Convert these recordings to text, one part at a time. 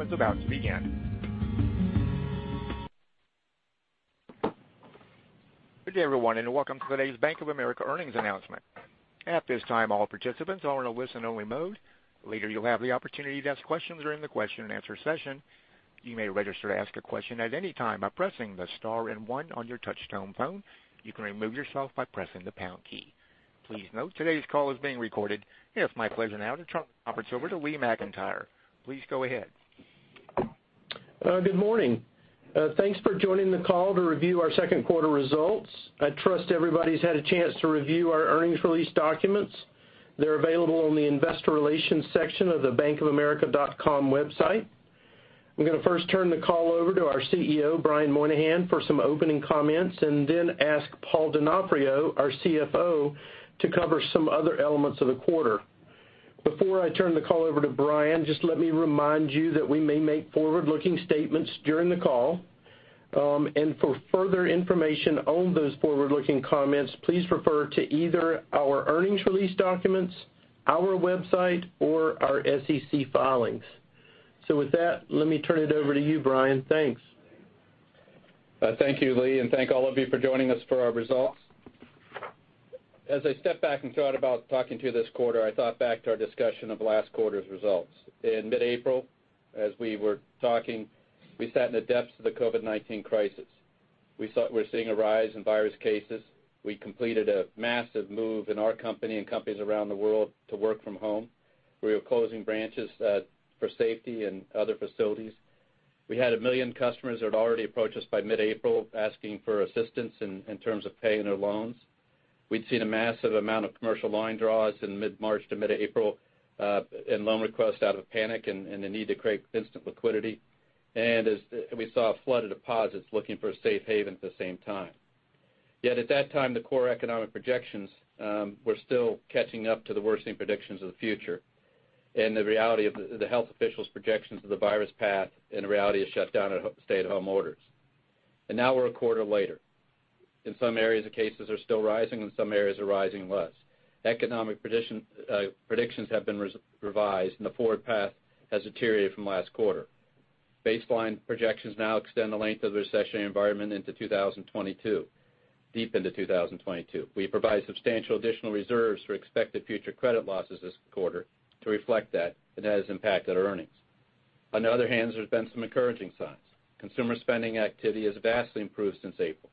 Is about to begin. Good day, everyone, and welcome to today's Bank of America earnings announcement. At this time, all participants are in a listen-only mode. Later, you'll have the opportunity to ask questions during the question and answer session. You may register to ask a question at any time by pressing the star and one on your touch-tone phone. You can remove yourself by pressing the pound key. Please note, today's call is being recorded. It is my pleasure now to turn the conference over to Lee McEntire. Please go ahead. Good morning. Thanks for joining the call to review our second quarter results. I trust everybody's had a chance to review our earnings release documents. They're available on the investor relations section of the bankofamerica.com website. I'm going to first turn the call over to our CEO, Brian Moynihan, for some opening comments and then ask Paul Donofrio, our CFO, to cover some other elements of the quarter. Before I turn the call over to Brian, just let me remind you that we may make forward-looking statements during the call. For further information on those forward-looking comments, please refer to either our earnings release documents, our website, or our SEC filings. With that, let me turn it over to you, Brian. Thanks. Thank you, Lee, and thank all of you for joining us for our results. As I step back and thought about talking to you this quarter, I thought back to our discussion of last quarter's results. In mid-April, as we were talking, we sat in the depths of the COVID-19 crisis. We thought we're seeing a rise in virus cases. We completed a massive move in our company and companies around the world to work from home. We were closing branches for safety and other facilities. We had 1 million customers that had already approached us by mid-April asking for assistance in terms of paying their loans. We'd seen a massive amount of commercial loan draws in mid-March to mid-April, and loan requests out of panic and the need to create instant liquidity. We saw a flood of deposits looking for a safe haven at the same time. Yet at that time, the core economic projections were still catching up to the worsening predictions of the future. The reality of the health officials' projections of the virus path and the reality of shutdown and stay-at-home orders. Now we're a quarter later. In some areas, the cases are still rising. In some areas, they're rising less. Economic predictions have been revised, and the forward path has deteriorated from last quarter. Baseline projections now extend the length of the recession environment into deep into 2022. We provide substantial additional reserves for expected future credit losses this quarter to reflect that, and that has impacted our earnings. On the other hand, there's been some encouraging signs. Consumer spending activity has vastly improved since April.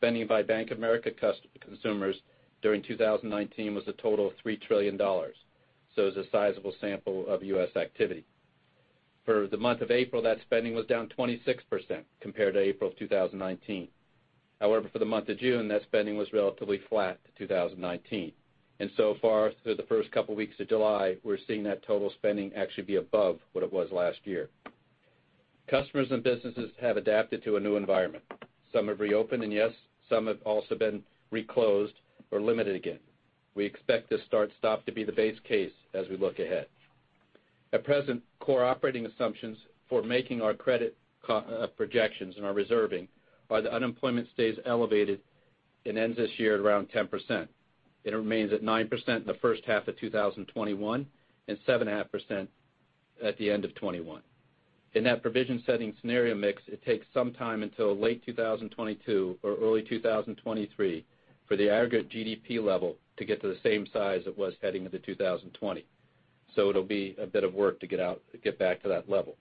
Spending by Bank of America consumers during 2019 was a total of $3 trillion. It's a sizable sample of U.S. activity. For the month of April, that spending was down 26% compared to April of 2019. However, for the month of June, that spending was relatively flat to 2019. So far, through the first couple weeks of July, we're seeing that total spending actually be above what it was last year. Customers and businesses have adapted to a new environment. Some have reopened, and yes, some have also been reclosed or limited again. We expect this start stop to be the base case as we look ahead. At present, core operating assumptions for making our credit projections and our reserving are that unemployment stays elevated and ends this year at around 10%. It remains at 9% in the first half of 2021 and 7.5% at the end of 2021. In that provision setting scenario mix, it takes some time until late 2022 or early 2023 for the aggregate GDP level to get to the same size it was heading into 2020. It'll be a bit of work to get back to that level.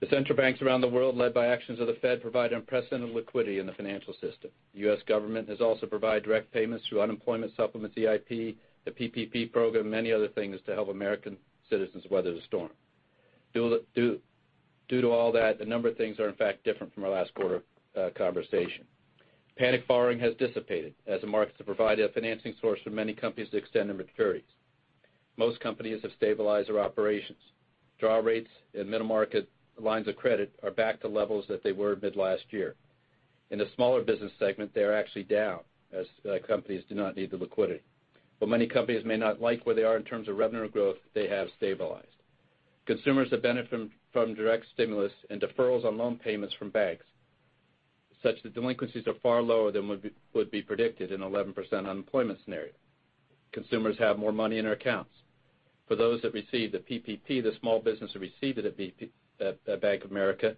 The central banks around the world, led by actions of the Fed, provide unprecedented liquidity in the financial system. The U.S. government has also provided direct payments through unemployment supplements, EIP, the PPP program, many other things to help American citizens weather the storm. Due to all that, a number of things are in fact different from our last quarter conversation. Panic borrowing has dissipated as the markets have provided a financing source for many companies to extend their maturities. Most companies have stabilized their operations. Draw rates in middle market lines of credit are back to levels that they were mid last year. In the smaller business segment, they are actually down as companies do not need the liquidity. Many companies may not like where they are in terms of revenue growth, they have stabilized. Consumers have benefited from direct stimulus and deferrals on loan payments from banks, such that delinquencies are far lower than would be predicted in an 11% unemployment scenario. Consumers have more money in their accounts. For those that received the PPP, the small business that received it at Bank of America,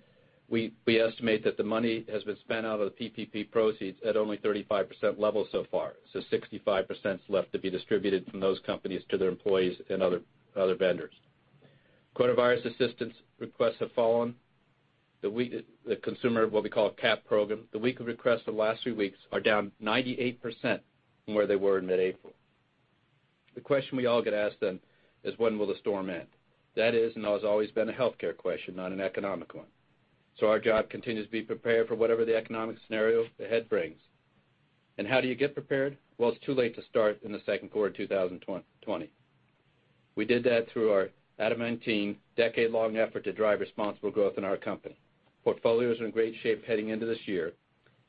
we estimate that the money has been spent out of the PPP proceeds at only 35% levels so far. 65% is left to be distributed from those companies to their employees and other vendors. Coronavirus assistance requests have fallen. The consumer, what we call CAP program, the week of requests for the last three weeks are down 98% from where they were in mid-April. The question we all get asked is when will the storm end? That is and has always been a healthcare question, not an economic one. Our job continues to be prepared for whatever the economic scenario ahead brings. How do you get prepared? Well, it's too late to start in the second quarter of 2020. We did that through our adamantine decade-long effort to drive responsible growth in our company. Portfolio is in great shape heading into this year.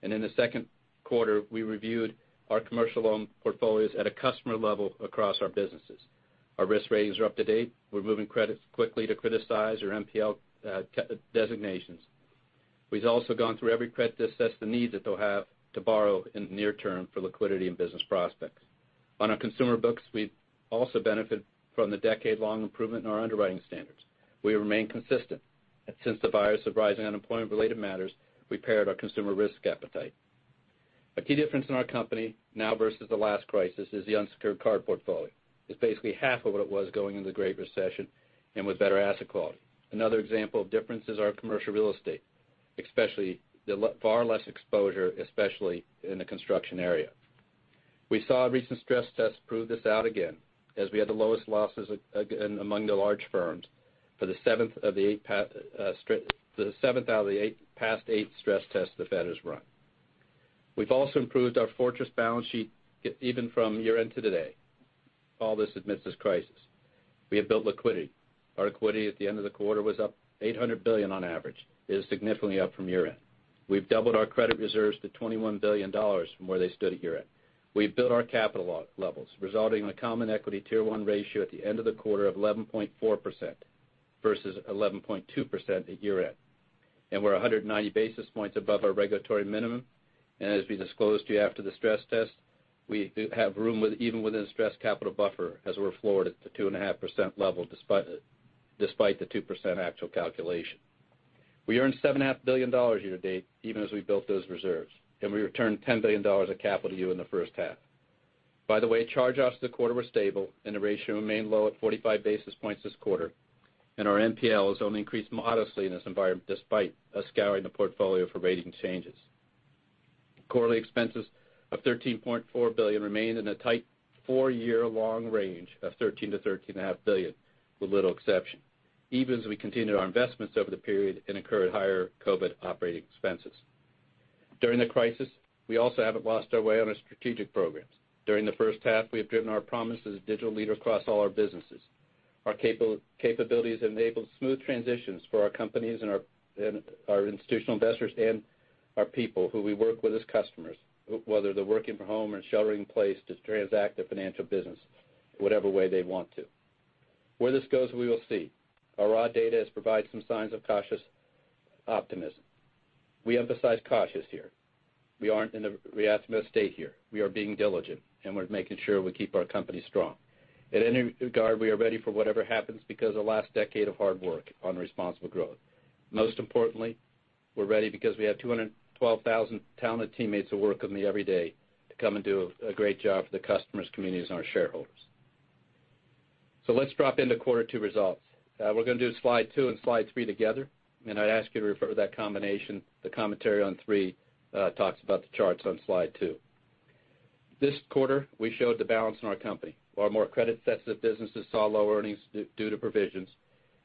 In the second quarter, we reviewed our commercial loan portfolios at a customer level across our businesses. Our risk ratings are up to date. We're moving credits quickly to criticize our NPL designations. We've also gone through every credit to assess the needs that they'll have to borrow in the near term for liquidity and business prospects. On our consumer books, we also benefit from the decade-long improvement in our underwriting standards. We remain consistent. Since the virus, the rising unemployment related matters, we paired our consumer risk appetite. A key difference in our company now versus the last crisis is the unsecured card portfolio. It's basically half of what it was going into the Great Recession, and with better asset quality. Another example of difference is our commercial real estate, especially the far less exposure, especially in the construction area. We saw a recent stress test prove this out again, as we had the lowest losses again among the large firms for the seventh out of the eight past stress tests the Fed has run. We've also improved our fortress balance sheet even from year-end to today. All this amidst this crisis. We have built liquidity. Our liquidity at the end of the quarter was up $800 billion on average. It is significantly up from year-end. We've doubled our credit reserves to $21 billion from where they stood at year-end. We've built our capital levels, resulting in a common equity Tier 1 ratio at the end of the quarter of 11.4% versus 11.2% at year-end. We're 190 basis points above our regulatory minimum. As we disclosed to you after the stress test, we have room even within stress capital buffer, as we're floored at the 2.5% level despite the 2% actual calculation. We earned $7.5 billion year-to-date, even as we built those reserves. We returned $10 billion of capital to you in the first half. By the way, charge-offs this quarter were stable, and the ratio remained low at 45 basis points this quarter. Our NPL has only increased modestly in this environment, despite us scouring the portfolio for rating changes. Quarterly expenses of $13.4 billion remain in a tight 4-year long range of $13 billion-$13.5 billion, with little exception, even as we continued our investments over the period and incurred higher COVID-19 operating expenses. During the crisis, we also haven't lost our way on our strategic programs. During the first half, we have driven our promise as a digital leader across all our businesses. Our capabilities enabled smooth transitions for our companies and our institutional investors and our people who we work with as customers, whether they're working from home or sheltering in place to transact their financial business whatever way they want to. Where this goes, we will see. Our raw data has provided some signs of cautious optimism. We emphasize cautious here. We aren't in the, we ask them to stay here. We are being diligent, and we're making sure we keep our company strong. In any regard, we are ready for whatever happens because of the last decade of hard work on responsible growth. Most importantly, we're ready because we have 212,000 talented teammates who work with me every day to come and do a great job for the customers, communities, and our shareholders. Let's drop into quarter two results. We're going to do slide two and slide three together, and I'd ask you to refer to that combination. The commentary on three talks about the charts on slide two. This quarter, we showed the balance in our company. While more credit sets of businesses saw lower earnings due to provisions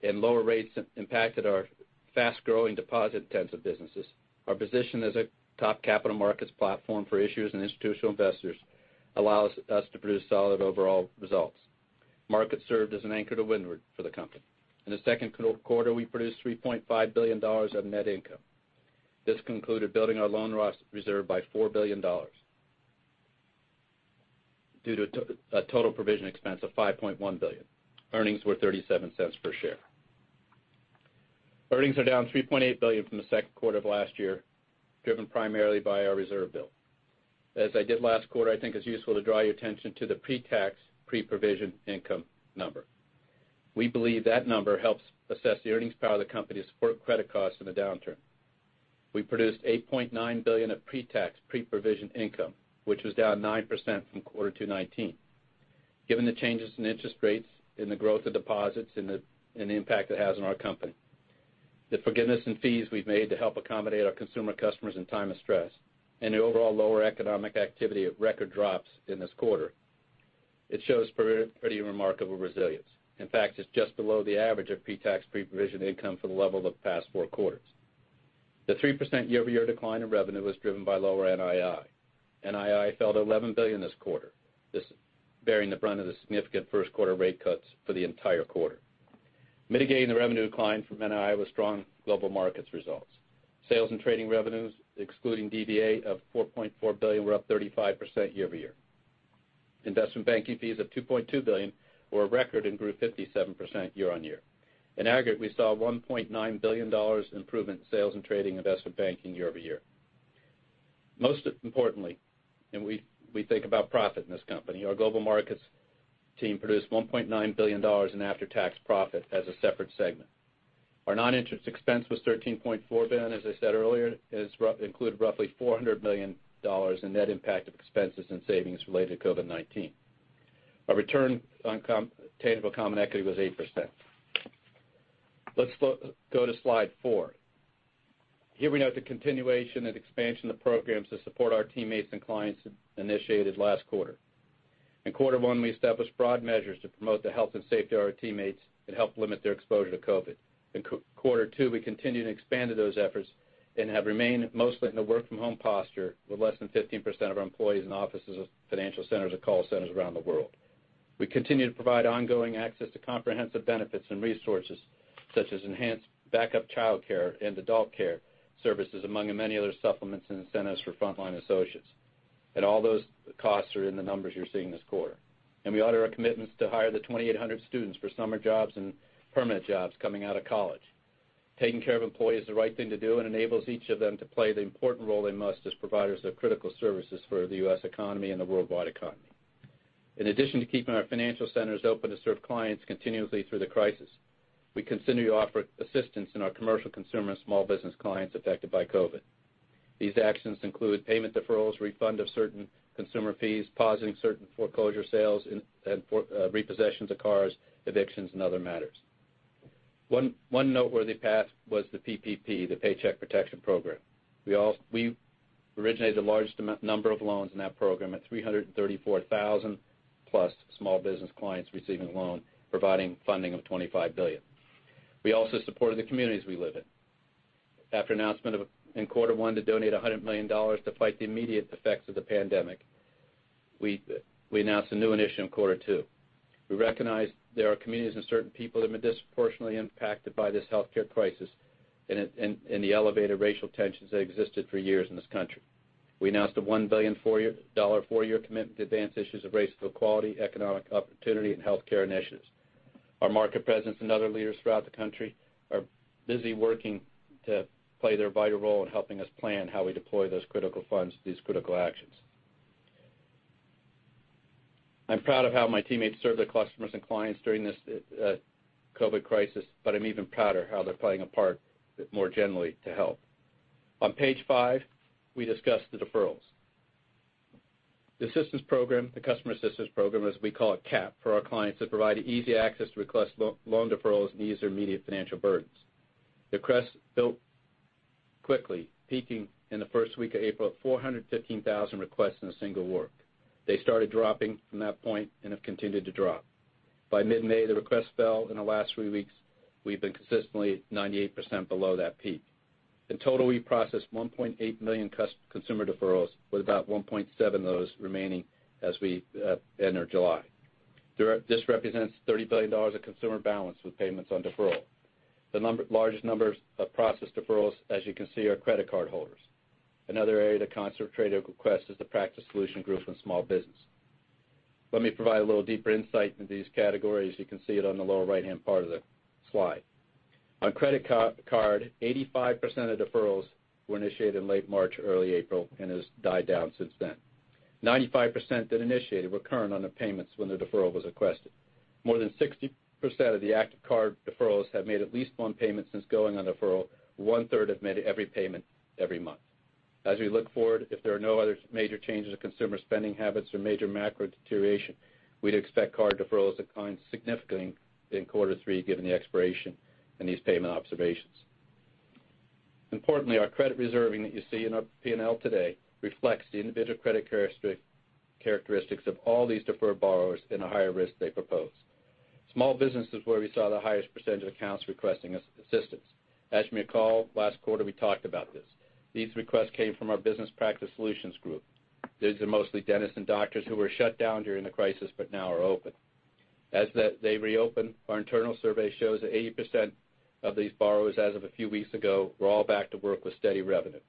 and lower rates impacted our fast-growing deposit intensive businesses, our position as a top capital markets platform for issuers and institutional investors allows us to produce solid overall results. Markets served as an anchor to windward for the company. In the second quarter, we produced $3.5 billion of net income. This concluded building our loan loss reserve by $4 billion due to a total provision expense of $5.1 billion. Earnings were $0.37 per share. Earnings are down $3.8 billion from the second quarter of last year, driven primarily by our reserve build. As I did last quarter, I think it is useful to draw your attention to the pre-tax, pre-provision income number. We believe that number helps assess the earnings power of the company to support credit costs in a downturn. We produced $8.9 billion of pre-tax, pre-provision income, which was down 9% from quarter two 2019. Given the changes in interest rates and the growth of deposits and the impact it has on our company, the forgiveness in fees we've made to help accommodate our consumer customers in time of stress, and the overall lower economic activity at record drops in this quarter, it shows pretty remarkable resilience. In fact, it's just below the average of pre-tax, pre-provision income for the level of the past four quarters. The 3% year-over-year decline in revenue was driven by lower NII. NII fell to $11 billion this quarter, this bearing the brunt of the significant first quarter rate cuts for the entire quarter. Mitigating the revenue decline from NII was strong global markets results. Sales and trading revenues, excluding DVA, of $4.4 billion were up 35% year-over-year. Investment banking fees of $2.2 billion were a record and grew 57% year-on-year. In aggregate, we saw $1.9 billion improvement in sales and trading investment banking year-over-year. Most importantly, we think about profit in this company, our global markets team produced $1.9 billion in after-tax profit as a separate segment. Our non-interest expense was $13.4 billion, as I said earlier, included roughly $400 million in net impact of expenses and savings related to COVID-19. Our return on tangible common equity was 8%. Let's go to slide four. Here we note the continuation and expansion of programs to support our teammates and clients initiated last quarter. In quarter one, we established broad measures to promote the health and safety of our teammates and help limit their exposure to COVID. In quarter two, we continued and expanded those efforts and have remained mostly in a work-from-home posture with less than 15% of our employees in offices of financial centers or call centers around the world. We continue to provide ongoing access to comprehensive benefits and resources, such as enhanced backup childcare and adult care services, among many other supplements and incentives for frontline associates. All those costs are in the numbers you're seeing this quarter. We honor our commitments to hire the 2,800 students for summer jobs and permanent jobs coming out of college. Taking care of employees is the right thing to do and enables each of them to play the important role they must as providers of critical services for the U.S. economy and the worldwide economy. In addition to keeping our financial centers open to serve clients continuously through the crisis, we continue to offer assistance in our commercial consumer and small business clients affected by COVID-19. These actions include payment deferrals, refund of certain consumer fees, pausing certain foreclosure sales and repossessions of cars, evictions, and other matters. One noteworthy path was the PPP, the Paycheck Protection Program. We originated the largest number of loans in that program at 334,000-plus small business clients receiving a loan, providing funding of $25 billion. We also supported the communities we live in. After announcement in quarter one to donate $100 million to fight the immediate effects of the pandemic, we announced a new initiative in quarter two. We recognize there are communities and certain people that have been disproportionately impacted by this healthcare crisis and the elevated racial tensions that existed for years in this country. We announced a $1 billion four-year commitment to advance issues of racial equality, economic opportunity, and healthcare initiatives. Our market presence and other leaders throughout the country are busy working to play their vital role in helping us plan how we deploy those critical funds, these critical actions. I'm proud of how my teammates served their customers and clients during this COVID crisis, but I'm even prouder how they're playing a part more generally to help. On page five, we discuss the deferrals. The Customer Assistance Program, as we call it, CAP, for our clients that provide easy access to request loan deferrals and ease their immediate financial burdens. The requests built quickly, peaking in the first week of April at 415,000 requests in a single work. They started dropping from that point and have continued to drop. By mid-May, the requests fell. In the last three weeks, we've been consistently 98% below that peak. In total, we processed 1.8 million consumer deferrals, with about 1.7 million of those remaining as we enter July. This represents $30 billion of consumer balance with payments on deferral. The largest numbers of processed deferrals, as you can see, are credit card holders. Another area that concentrated requests is the Practice Solutions group and small business. Let me provide a little deeper insight into these categories. You can see it on the lower right-hand part of the slide. On credit card, 85% of deferrals were initiated in late March, early April, and has died down since then. 95% that initiated were current on the payments when the deferral was requested. More than 60% of the active card deferrals have made at least one payment since going on deferral. One-third have made every payment every month. As we look forward, if there are no other major changes in consumer spending habits or major macro deterioration, we'd expect card deferrals to decline significantly in quarter three, given the expiration and these payment observations. Importantly, our credit reserving that you see in our P&L today reflects the individual credit characteristics of all these deferred borrowers and the higher risk they propose. Small business is where we saw the highest percentage of accounts requesting assistance. As you may recall, last quarter we talked about this. These requests came from our business Practice Solutions group. These are mostly dentists and doctors who were shut down during the crisis, but now are open. As they reopen, our internal survey shows that 80% of these borrowers, as of a few weeks ago, were all back to work with steady revenue.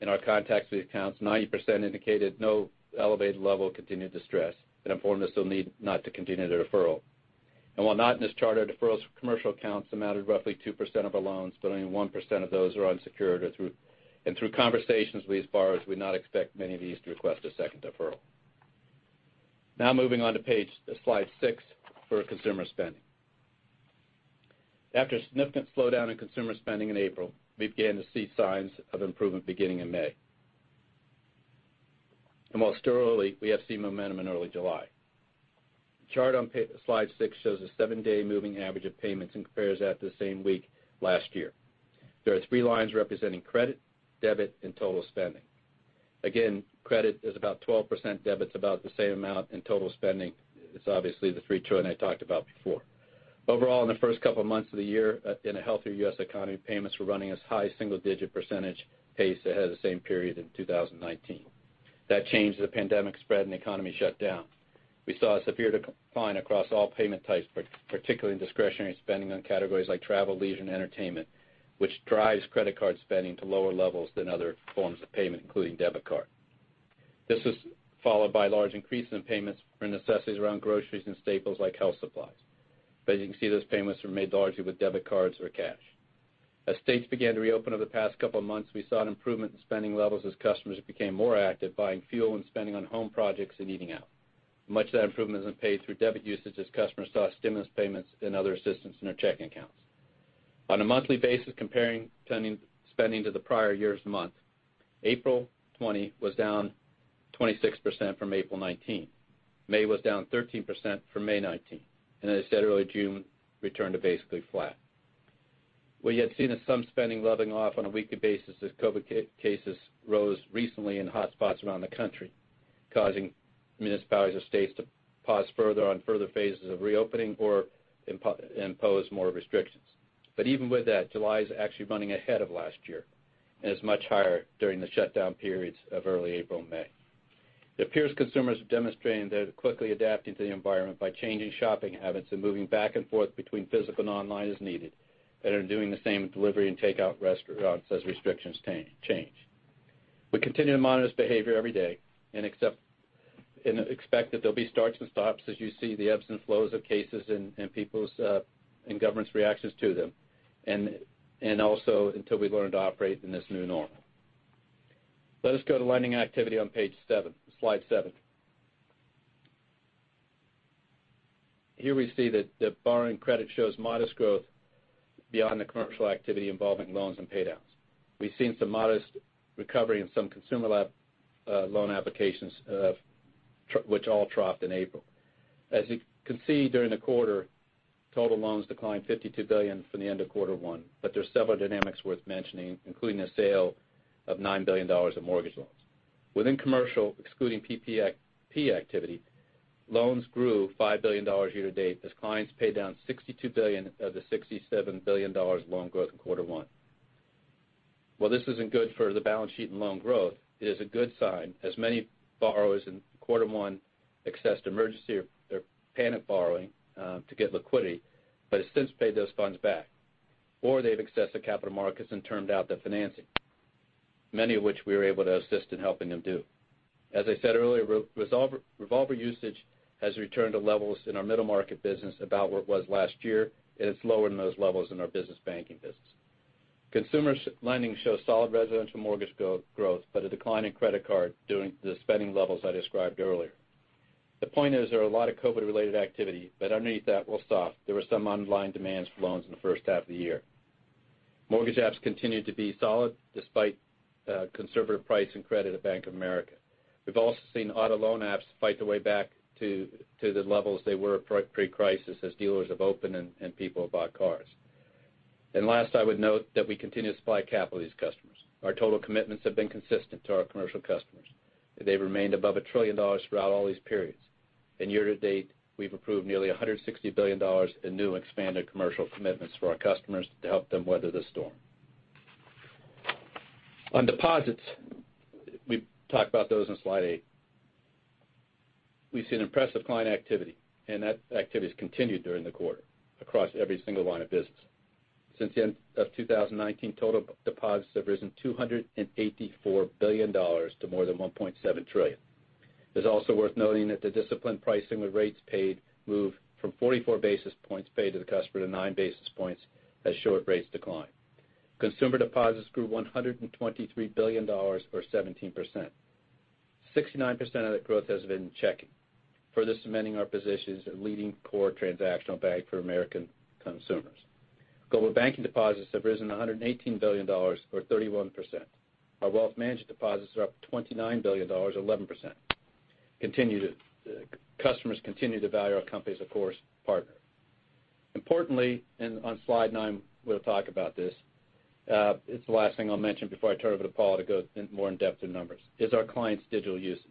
In our contacts with the accounts, 90% indicated no elevated level of continued distress and informed us they'll need not to continue their deferral. While not in this chart, our deferrals for commercial accounts amounted roughly 2% of our loans, but only 1% of those are unsecured. Through conversations with these borrowers, we do not expect many of these to request a second deferral. Now moving on to slide six for consumer spending. After a significant slowdown in consumer spending in April, we began to see signs of improvement beginning in May. Most thoroughly, we have seen momentum in early July. The chart on slide six shows a seven-day moving average of payments and compares that to the same week last year. There are three lines representing credit, debit, and total spending. Credit is about 12%, debit's about the same amount, and total spending is obviously the $3 trillion I talked about before. In the first couple of months of the year, in a healthier U.S. economy, payments were running as high single-digit percentage pace ahead of the same period in 2019. That changed as the pandemic spread and the economy shut down. We saw a severe decline across all payment types, particularly in discretionary spending on categories like travel, leisure, and entertainment, which drives credit card spending to lower levels than other forms of payment, including debit card. This was followed by large increases in payments for necessities around groceries and staples like health supplies. As you can see, those payments were made largely with debit cards or cash. As states began to reopen over the past couple of months, we saw an improvement in spending levels as customers became more active buying fuel and spending on home projects and eating out. Much of that improvement has been paid through debit usage as customers saw stimulus payments and other assistance in their checking accounts. On a monthly basis, comparing spending to the prior year's month, April 2020 was down 26% from April 2019. May was down 13% from May 2019. As I said, early June returned to basically flat. We had seen some spending leveling off on a weekly basis as COVID-19 cases rose recently in hotspots around the country, causing municipalities or states to pause on further phases of reopening or impose more restrictions. Even with that, July is actually running ahead of last year and is much higher during the shutdown periods of early April and May. It appears consumers are demonstrating they're quickly adapting to the environment by changing shopping habits and moving back and forth between physical and online as needed, and are doing the same with delivery and takeout restaurants as restrictions change. We continue to monitor this behavior every day and expect that there'll be starts and stops as you see the ebbs and flows of cases in people's, and government's reactions to them, and also until we learn to operate in this new norm. Let us go to lending activity on page seven, slide seven. Here we see that borrowing credit shows modest growth beyond the commercial activity involving loans and pay downs. We've seen some modest recovery in some consumer loan applications, which all troughed in April. As you can see during the quarter, total loans declined $52 billion from the end of quarter one. There's several dynamics worth mentioning, including the sale of $9 billion of mortgage loans. Within commercial, excluding PPP activity, loans grew $5 billion year to date as clients paid down $62 billion of the $67 billion loan growth in quarter one. While this isn't good for the balance sheet and loan growth, it is a good sign, as many borrowers in quarter one accessed emergency or panic borrowing to get liquidity, but have since paid those funds back. They've accessed the capital markets and turned out the financing, many of which we were able to assist in helping them do. As I said earlier, revolver usage has returned to levels in our middle market business about where it was last year, and it's lower than those levels in our business banking business. Consumer lending shows solid residential mortgage growth, but a decline in credit card due to the spending levels I described earlier. The point is there are a lot of COVID-related activity, but underneath that soft layer, there were some underlying demands for loans in the first half of the year. Mortgage apps continued to be solid despite conservative pricing credit at Bank of America. We've also seen auto loan apps fight their way back to the levels they were pre-crisis as dealers have opened and people have bought cars. Last, I would note that we continue to supply capital to these customers. Our total commitments have been consistent to our commercial customers. They've remained above $1 trillion throughout all these periods. Year to date, we've approved nearly $160 billion in new expanded commercial commitments for our customers to help them weather the storm. On deposits, we talk about those on slide eight. We've seen impressive client activity, and that activity's continued during the quarter across every single line of business. Since the end of 2019, total deposits have risen $284 billion to more than $1.7 trillion. It's also worth noting that the disciplined pricing with rates paid moved from 44 basis points paid to the customer to nine basis points as short rates decline. Consumer deposits grew $123 billion, or 17%. 69% of that growth has been checking, further cementing our position as a leading core transactional bank for American consumers. Global banking deposits have risen $118 billion or 31%. Our wealth management deposits are up $29 billion or 11%. Customers continue to value our company as a course partner. Importantly, and on slide nine, we'll talk about this. It's the last thing I'll mention before I turn it over to Paul to go more in depth in numbers, is our clients' digital usage.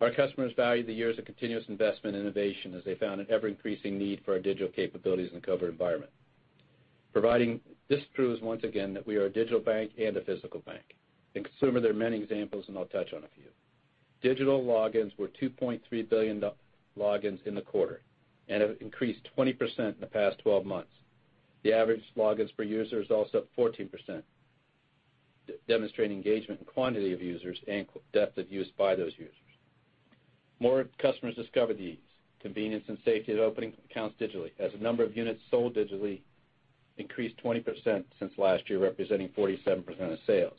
Our customers value the years of continuous investment innovation as they found an ever-increasing need for our digital capabilities in a COVID environment. This proves once again that we are a digital bank and a physical bank. In consumer, there are many examples, and I'll touch on a few. Digital logins were 2.3 billion logins in the quarter and have increased 20% in the past 12 months. The average logins per user is also up 14%, demonstrating engagement in quantity of users and depth of use by those users. More customers discover the ease, convenience, and safety of opening accounts digitally, as the number of units sold digitally increased 20% since last year, representing 47% of sales.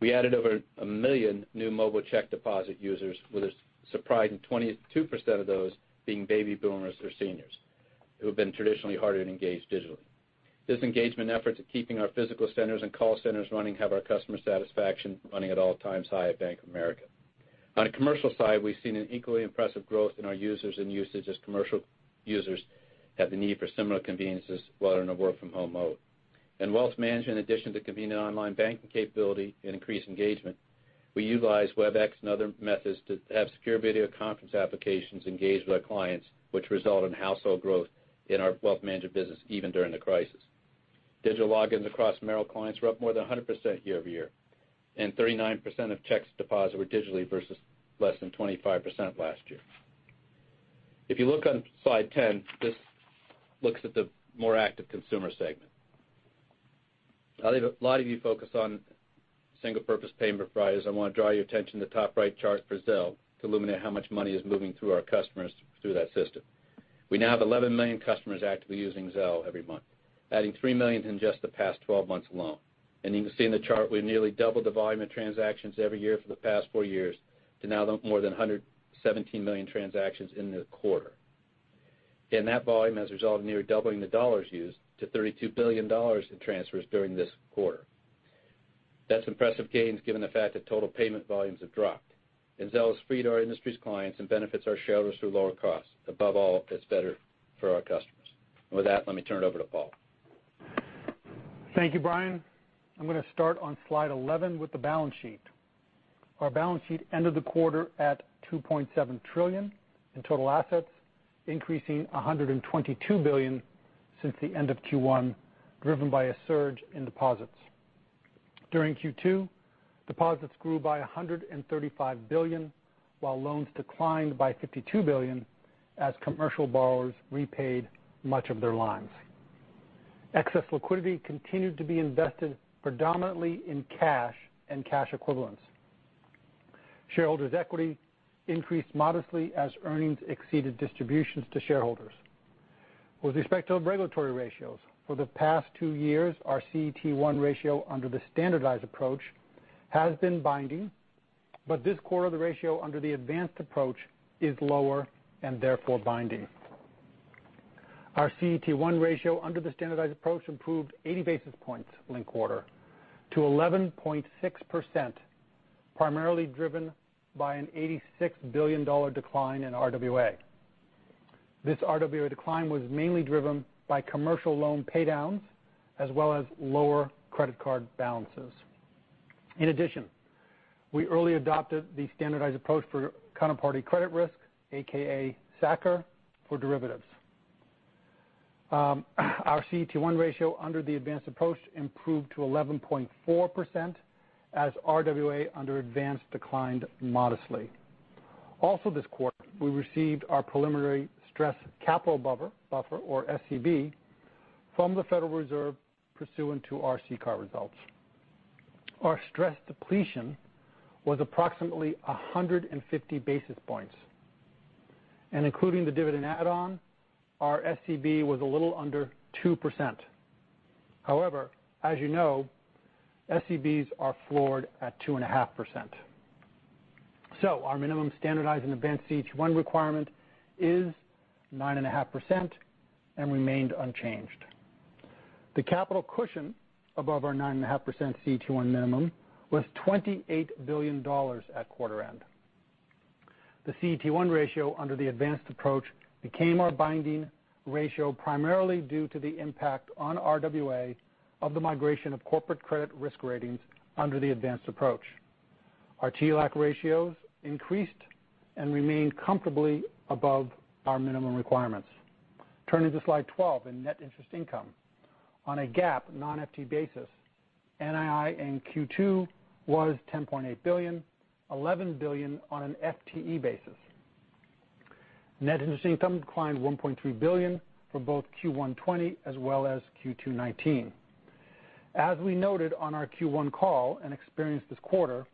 We added over 1 million new mobile check deposit users, with a surprising 22% of those being baby boomers or seniors who have been traditionally harder to engage digitally. This engagement effort to keeping our physical centers and call centers running have our customer satisfaction running at all-time high at Bank of America. On the commercial side, we've seen an equally impressive growth in our users and usage as commercial users have the need for similar conveniences while in a work from home mode. In wealth management, in addition to convenient online banking capability and increased engagement, we utilize Webex and other methods to have secure video conference applications engaged with our clients, which result in household growth in our wealth management business even during the crisis. Digital logins across Merrill were up more than 100% year-over-year, and 39% of checks deposit were digitally versus less than 25% last year. If you look on slide 10, this looks at the more active consumer segment. I think a lot of you focus on single purpose payment providers. I want to draw your attention to the top right chart for Zelle to illuminate how much money is moving through our customers through that system. We now have 11 million customers actively using Zelle every month, adding 3 million in just the past 12 months alone. You can see in the chart, we nearly doubled the volume of transactions every year for the past four years to now more than 117 million transactions in the quarter. Again, that volume has resulted in nearly doubling the dollars used to $32 billion in transfers during this quarter. That's impressive gains given the fact that total payment volumes have dropped, and Zelle has freed our industry's clients and benefits our shareholders through lower costs. Above all, it's better for our customers. With that, let me turn it over to Paul. Thank you, Brian. I'm going to start on slide 11 with the balance sheet. Our balance sheet ended the quarter at $2.7 trillion in total assets, increasing $122 billion since the end of Q1, driven by a surge in deposits. During Q2, deposits grew by $135 billion while loans declined by $52 billion as commercial borrowers repaid much of their lines. Excess liquidity continued to be invested predominantly in cash and cash equivalents. Shareholders' equity increased modestly as earnings exceeded distributions to shareholders. With respect to regulatory ratios, for the past two years, our CET1 ratio under the standardized approach has been binding, but this quarter, the ratio under the advanced approach is lower and therefore binding. Our CET1 ratio under the standardized approach improved 80 basis points linked quarter to 11.6%, primarily driven by an $86 billion decline in RWA. This RWA decline was mainly driven by commercial loan paydowns as well as lower credit card balances. In addition, we early adopted the SA-CCR for derivatives. Our CET1 ratio under the advanced approach improved to 11.4% as RWA under advanced declined modestly. Also this quarter, we received our preliminary stress capital buffer, or SCB, from the Federal Reserve pursuant to our CCAR results. Our stress depletion was approximately 150 basis points. Including the dividend add-on, our SCB was a little under 2%. As you know, SCBs are floored at 2.5%. Our minimum standardized and advanced CET1 requirement is 9.5% and remained unchanged. The capital cushion above our 9.5% CET1 minimum was $28 billion at quarter end. The CET1 ratio under the advanced approach became our binding ratio primarily due to the impact on RWA of the migration of corporate credit risk ratings under the advanced approach. Our TLAC ratios increased and remain comfortably above our minimum requirements. Turning to Slide 12 in net interest income. On a GAAP non-FTE basis, NII in Q2 was $10.8 billion, $11 billion on an FTE basis. Net interest income declined $1.3 billion for both Q1 2020 as well as Q2 2019. As we noted on our Q1 call and experienced this quarter,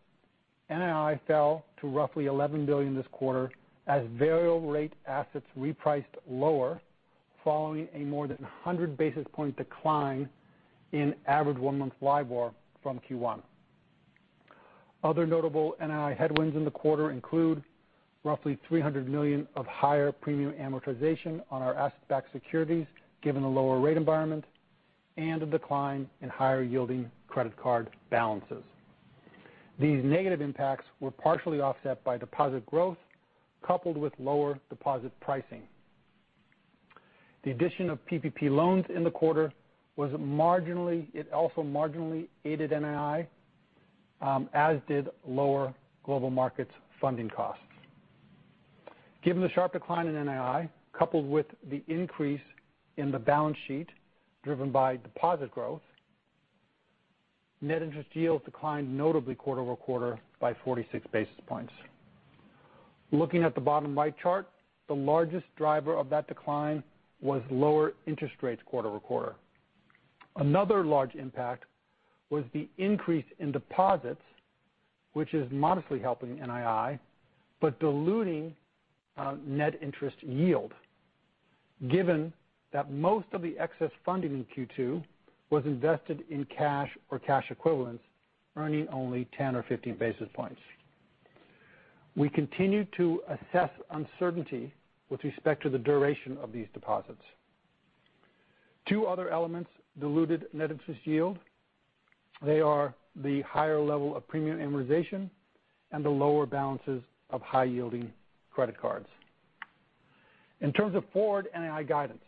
NII fell to roughly $11 billion this quarter as variable rate assets repriced lower, following a more than 100 basis point decline in average one-month LIBOR from Q1. Other notable NII headwinds in the quarter include roughly $300 million of higher premium amortization on our asset-backed securities, given the lower rate environment, and a decline in higher-yielding credit card balances. These negative impacts were partially offset by deposit growth coupled with lower deposit pricing. The addition of PPP loans in the quarter also marginally aided NII, as did lower global markets funding costs. Given the sharp decline in NII coupled with the increase in the balance sheet driven by deposit growth, net interest yield declined notably quarter-over-quarter by 46 basis points. Looking at the bottom right chart, the largest driver of that decline was lower interest rates quarter-over-quarter. Another large impact was the increase in deposits, which is modestly helping NII, but diluting net interest yield given that most of the excess funding in Q2 was invested in cash or cash equivalents, earning only 10 or 15 basis points. We continue to assess uncertainty with respect to the duration of these deposits. Two other elements diluted net interest yield. They are the higher level of premium amortization and the lower balances of high-yielding credit cards. In terms of forward NII guidance,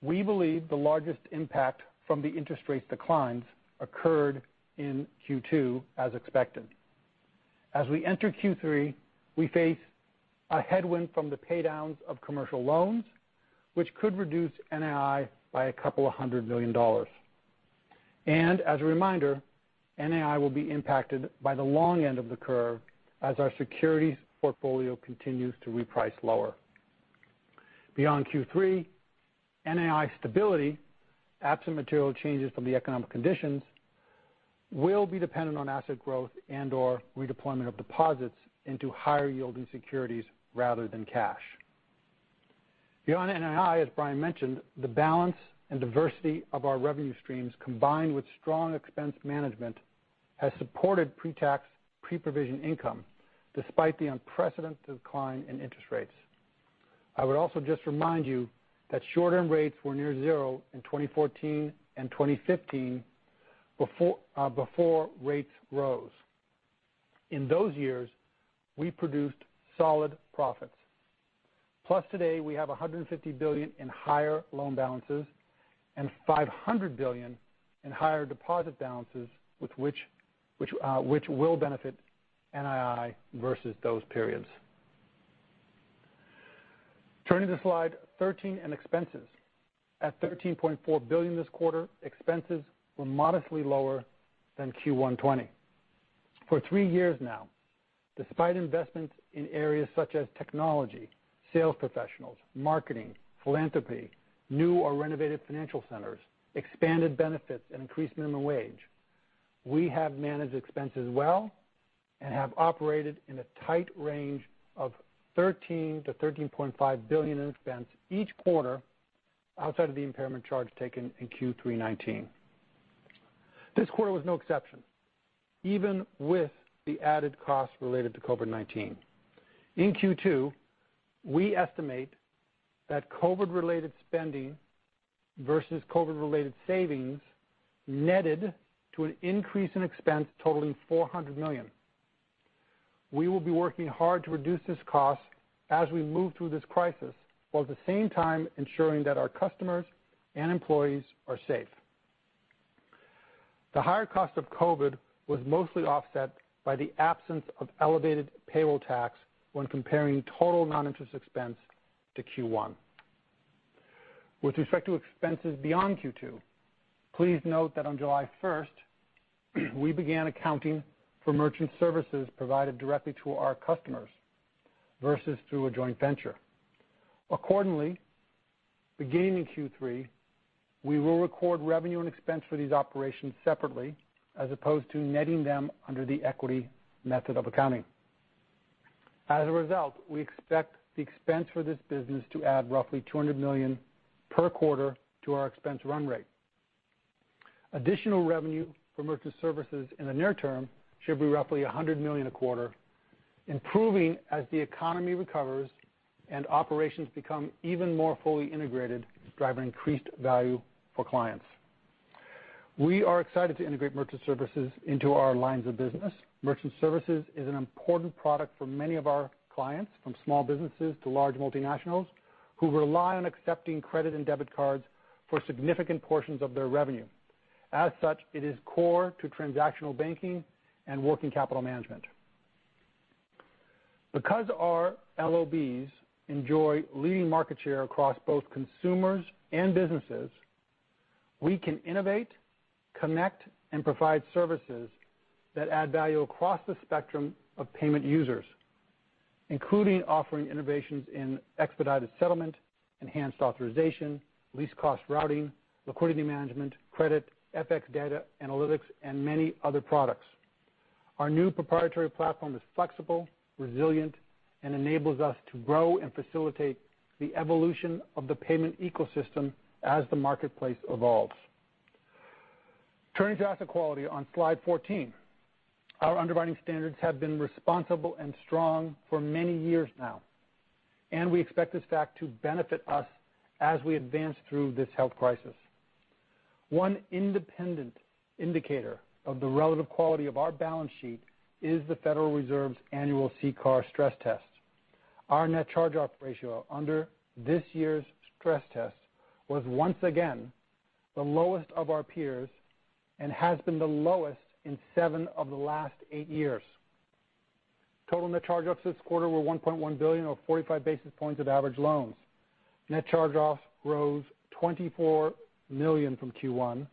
we believe the largest impact from the interest rates declines occurred in Q2 as expected. As we enter Q3, we face a headwind from the paydowns of commercial loans, which could reduce NII by a couple of hundred million dollars. As a reminder, NII will be impacted by the long end of the curve as our securities portfolio continues to reprice lower. Beyond Q3, NII stability, absent material changes from the economic conditions, will be dependent on asset growth and/or redeployment of deposits into higher yielding securities rather than cash. Beyond NII, as Brian mentioned, the balance and diversity of our revenue streams, combined with strong expense management, has supported pre-tax, pre-provision income despite the unprecedented decline in interest rates. I would also just remind you that short-term rates were near zero in 2014 and 2015, before rates rose. In those years, we produced solid profits. Today, we have $150 billion in higher loan balances and $500 billion in higher deposit balances which will benefit NII versus those periods. Turning to slide 13 and expenses. At $13.4 billion this quarter, expenses were modestly lower than Q1 '20. For three years now, despite investments in areas such as technology, sales professionals, marketing, philanthropy, new or renovated financial centers, expanded benefits, and increased minimum wage, we have managed expenses well and have operated in a tight range of $13 billion-$13.5 billion in expense each quarter outside of the impairment charge taken in Q3 2019. This quarter was no exception, even with the added cost related to COVID-19. In Q2, we estimate that COVID-related spending versus COVID-related savings netted to an increase in expense totaling $400 million. We will be working hard to reduce this cost as we move through this crisis, while at the same time ensuring that our customers and employees are safe. The higher cost of COVID was mostly offset by the absence of elevated payroll tax when comparing total non-interest expense to Q1. With respect to expenses beyond Q2, please note that on July 1st, we began accounting for Merchant Services provided directly to our customers versus through a joint venture. Beginning Q3, we will record revenue and expense for these operations separately, as opposed to netting them under the equity method of accounting. We expect the expense for this business to add roughly $200 million per quarter to our expense run rate. Additional revenue for Merchant Services in the near term should be roughly $100 million a quarter, improving as the economy recovers and operations become even more fully integrated, driving increased value for clients. We are excited to integrate Merchant Services into our lines of business. Merchant Services is an important product for many of our clients, from small businesses to large multinationals, who rely on accepting credit and debit cards for significant portions of their revenue. As such, it is core to transactional banking and working capital management. Because our LOBs enjoy leading market share across both consumers and businesses, we can innovate, connect, and provide services that add value across the spectrum of payment users, including offering innovations in expedited settlement, enhanced authorization, least-cost routing, liquidity management, credit, FX data analytics, and many other products. Our new proprietary platform is flexible, resilient, and enables us to grow and facilitate the evolution of the payment ecosystem as the marketplace evolves. Turning to asset quality on Slide 14. Our underwriting standards have been responsible and strong for many years now, and we expect this fact to benefit us as we advance through this health crisis. One independent indicator of the relative quality of our balance sheet is the Federal Reserve's annual CCAR stress test. Our net charge-off ratio under this year's stress test was once again the lowest of our peers and has been the lowest in seven of the last eight years. Total net charge-offs this quarter were $1.1 billion, or 45 basis points of average loans. Net charge-offs rose $24 million from Q1,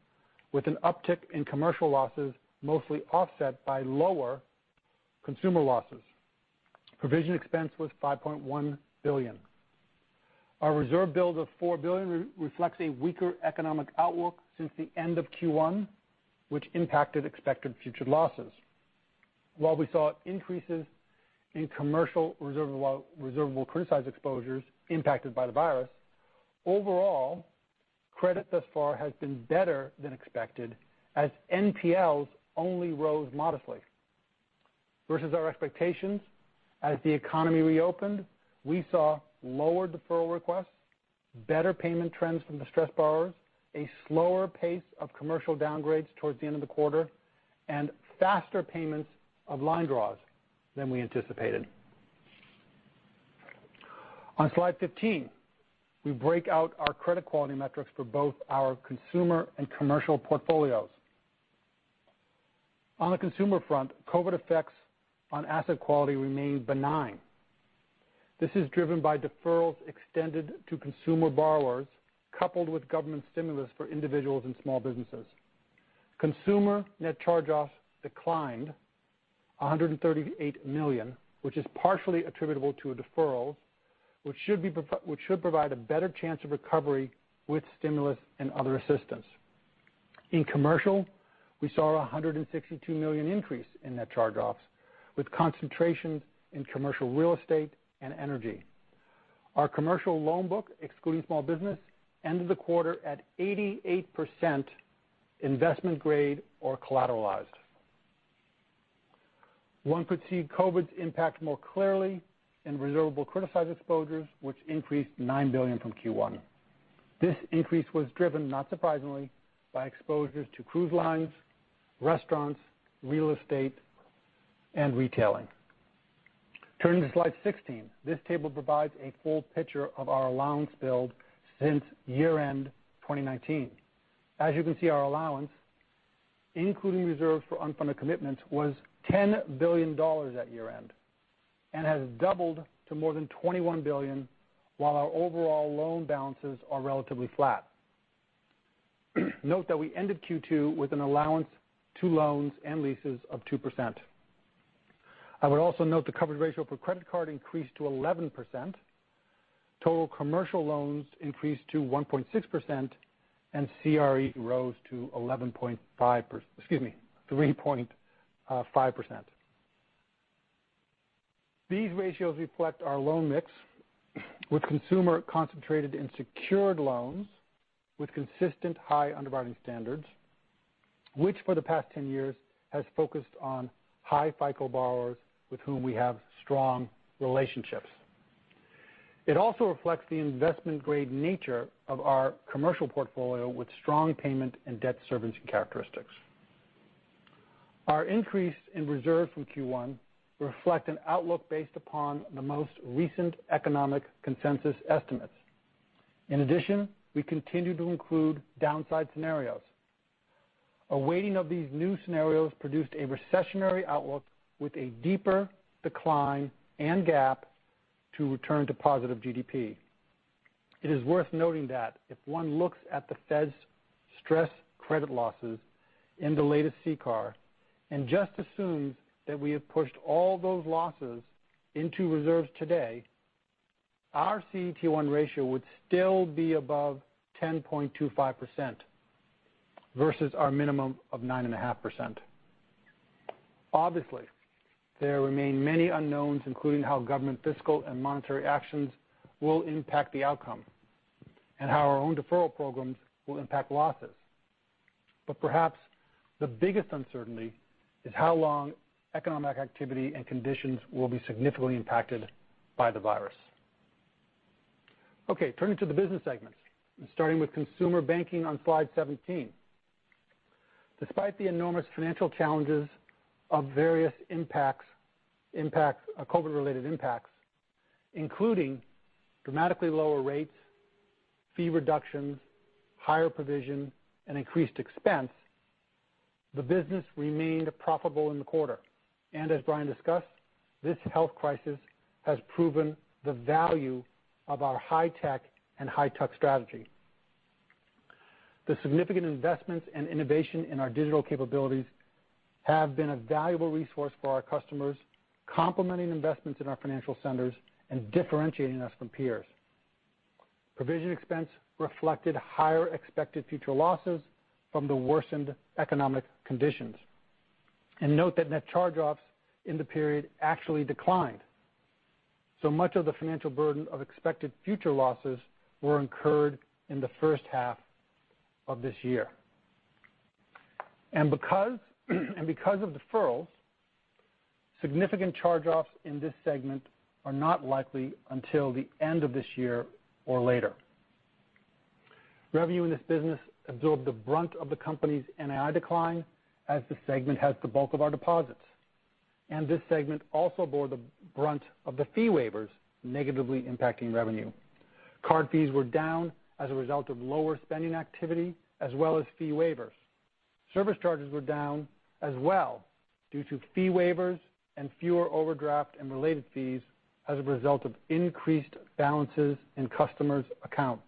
with an uptick in commercial losses, mostly offset by lower consumer losses. Provision expense was $5.1 billion. Our reserve build of $4 billion reflects a weaker economic outlook since the end of Q1, which impacted expected future losses. While we saw increases in commercial reservable criticized exposures impacted by the virus, overall, credit thus far has been better than expected, as NPLs only rose modestly. Versus our expectations, as the economy reopened, we saw lower deferral requests, better payment trends from distressed borrowers, a slower pace of commercial downgrades towards the end of the quarter, and faster payments of line draws than we anticipated. On Slide 15, we break out our credit quality metrics for both our consumer and commercial portfolios. On the consumer front, COVID effects on asset quality remain benign. This is driven by deferrals extended to consumer borrowers, coupled with government stimulus for individuals and small businesses. Consumer net charge-offs declined $138 million, which is partially attributable to a deferral, which should provide a better chance of recovery with stimulus and other assistance. In commercial, we saw a $162 million increase in net charge-offs, with concentrations in commercial real estate and energy. Our commercial loan book, excluding small business, ended the quarter at 88% investment-grade or collateralized. One could see COVID's impact more clearly in reservable criticized exposures, which increased $9 billion from Q1. This increase was driven, not surprisingly, by exposures to cruise lines, restaurants, real estate, and retailing. Turning to Slide 16. This table provides a full picture of our allowance build since year-end 2019. As you can see, our allowance, including reserves for unfunded commitments, was $10 billion at year-end, and has doubled to more than $21 billion, while our overall loan balances are relatively flat. Note that we ended Q2 with an allowance to loans and leases of 2%. I would also note the coverage ratio for credit card increased to 11%, total commercial loans increased to 1.6%, and CRE rose to 3.5%. These ratios reflect our loan mix, with consumer concentrated in secured loans with consistent high underwriting standards, which for the past 10 years has focused on high FICO borrowers with whom we have strong relationships. It also reflects the investment-grade nature of our commercial portfolio, with strong payment and debt servicing characteristics. Our increase in reserve from Q1 reflect an outlook based upon the most recent economic consensus estimates. In addition, we continue to include downside scenarios. A weighting of these new scenarios produced a recessionary outlook with a deeper decline and gap to return to positive GDP. It is worth noting that if one looks at the Fed's stress credit losses in the latest CCAR, and just assumes that we have pushed all those losses into reserves today, our CET1 ratio would still be above 10.25% versus our minimum of 9.5%. Obviously, there remain many unknowns, including how government fiscal and monetary actions will impact the outcome, and how our own deferral programs will impact losses. Perhaps the biggest uncertainty is how long economic activity and conditions will be significantly impacted by the virus. Okay, turning to the business segments and starting with consumer banking on slide 17. Despite the enormous financial challenges of various COVID-19-related impacts, including dramatically lower rates, fee reductions, higher provision, and increased expense, the business remained profitable in the quarter. As Brian discussed, this health crisis has proven the value of our high tech and high touch strategy. The significant investments and innovation in our digital capabilities have been a valuable resource for our customers, complementing investments in our financial centers and differentiating us from peers. Provision expense reflected higher expected future losses from the worsened economic conditions. Note that net charge-offs in the period actually declined. Much of the financial burden of expected future losses were incurred in the first half of this year. Because of deferrals, significant charge-offs in this segment are not likely until the end of this year or later. Revenue in this business absorbed the brunt of the company's NII decline, as the segment has the bulk of our deposits. This segment also bore the brunt of the fee waivers, negatively impacting revenue. Card fees were down as a result of lower spending activity, as well as fee waivers. Service charges were down as well due to fee waivers and fewer overdraft and related fees as a result of increased balances in customers' accounts.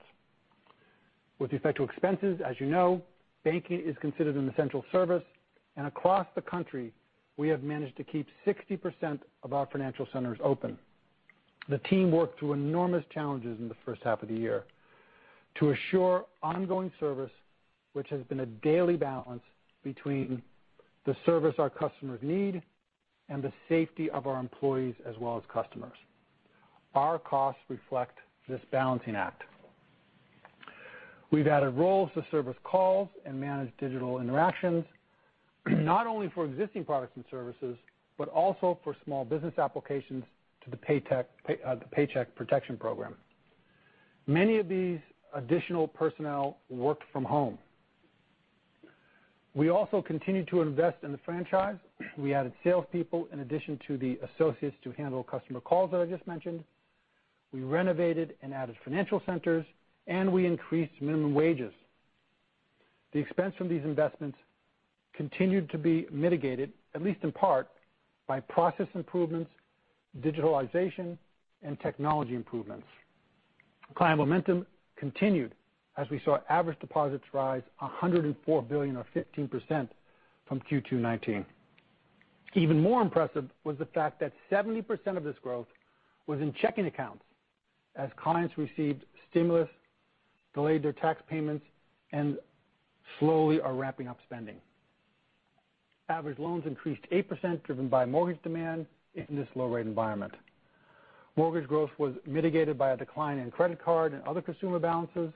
With respect to expenses, as you know, banking is considered an essential service, and across the country, we have managed to keep 60% of our financial centers open. The team worked through enormous challenges in the first half of the year to assure ongoing service, which has been a daily balance between the service our customers need and the safety of our employees as well as customers. Our costs reflect this balancing act. We've added roles to service calls and manage digital interactions, not only for existing products and services, but also for small business applications to the Paycheck Protection Program. Many of these additional personnel work from home. We also continue to invest in the franchise. We added salespeople in addition to the associates to handle customer calls that I just mentioned. We renovated and added financial centers, and we increased minimum wages. The expense from these investments continued to be mitigated, at least in part, by process improvements, digitalization, and technology improvements. Client momentum continued as we saw average deposits rise $104 billion or 15% from Q2 2019. Even more impressive was the fact that 70% of this growth was in checking accounts, as clients received stimulus, delayed their tax payments, and slowly are ramping up spending. Average loans increased 8%, driven by mortgage demand in this low-rate environment. Mortgage growth was mitigated by a decline in credit card and other consumer balances.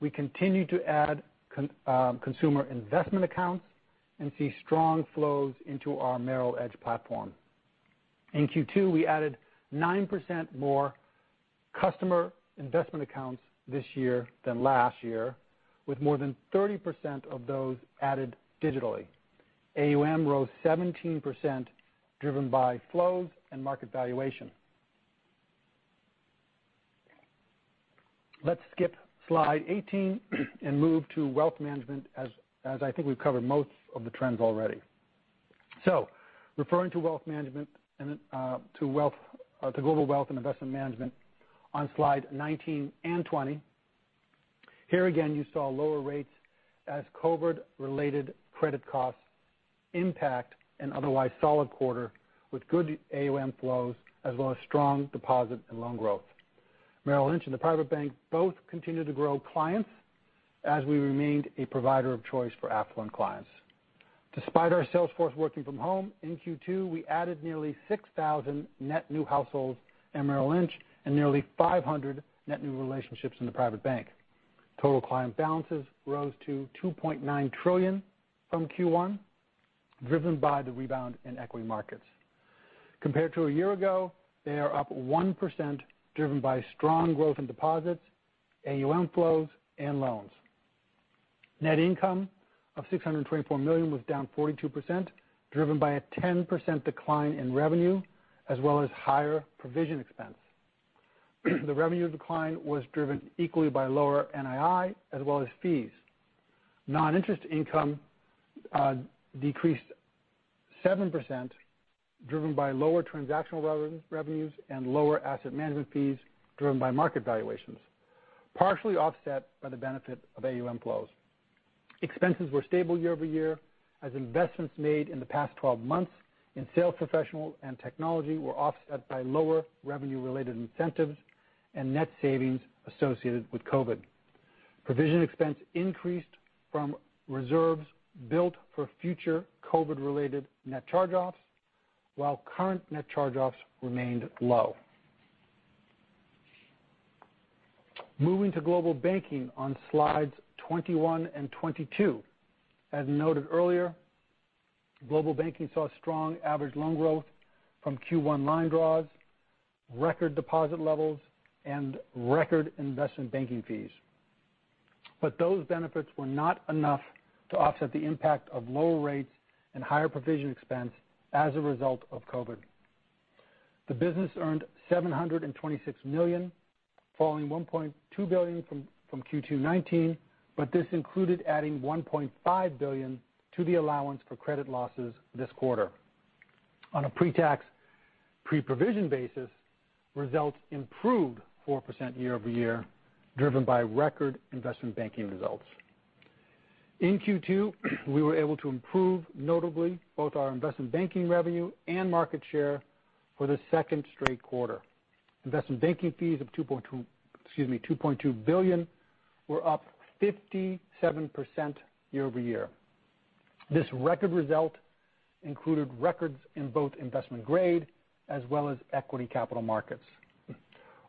We continue to add consumer investment accounts and see strong flows into our Merrill Edge platform. In Q2, we added 9% more customer investment accounts this year than last year, with more than 30% of those added digitally. AUM rose 17%, driven by flows and market valuation. Let's skip slide 18 and move to wealth management as I think we've covered most of the trends already. Referring to wealth management and to Global Wealth and Investment Management on slide 19 and 20. Here again, you saw lower rates as COVID-related credit costs impact an otherwise solid quarter with good AUM flows as well as strong deposit and loan growth. Merrill Lynch and the private bank both continued to grow clients as we remained a provider of choice for affluent clients. Despite our sales force working from home in Q2, we added nearly 6,000 net new households at Merrill Lynch and nearly 500 net new relationships in the private bank. Total client balances rose to $2.9 trillion from Q1, driven by the rebound in equity markets. Compared to a year ago, they are up 1%, driven by strong growth in deposits, AUM flows, and loans. Net income of $624 million was down 42%, driven by a 10% decline in revenue as well as higher provision expense. The revenue decline was driven equally by lower NII as well as fees. Non-interest income decreased 7%, driven by lower transactional revenues and lower asset management fees, driven by market valuations, partially offset by the benefit of AUM flows. Expenses were stable year-over-year as investments made in the past 12 months in sales professionals and technology were offset by lower revenue-related incentives and net savings associated with COVID. Provision expense increased from reserves built for future COVID-related net charge-offs, while current net charge-offs remained low. Moving to global banking on slides 21 and 22. As noted earlier, global banking saw strong average loan growth from Q1 line draws, record deposit levels, and record investment banking fees. Those benefits were not enough to offset the impact of lower rates and higher provision expense as a result of COVID-19. The business earned $726 million, falling $1.2 billion from Q2 2019, but this included adding $1.5 billion to the allowance for credit losses this quarter. On a pre-tax, pre-provision basis, results improved 4% year-over-year, driven by record investment banking results. In Q2, we were able to improve notably both our investment banking revenue and market share for the second straight quarter. Investment banking fees of $2.2 billion were up 57% year-over-year. This record result included records in both investment grade as well as equity capital markets.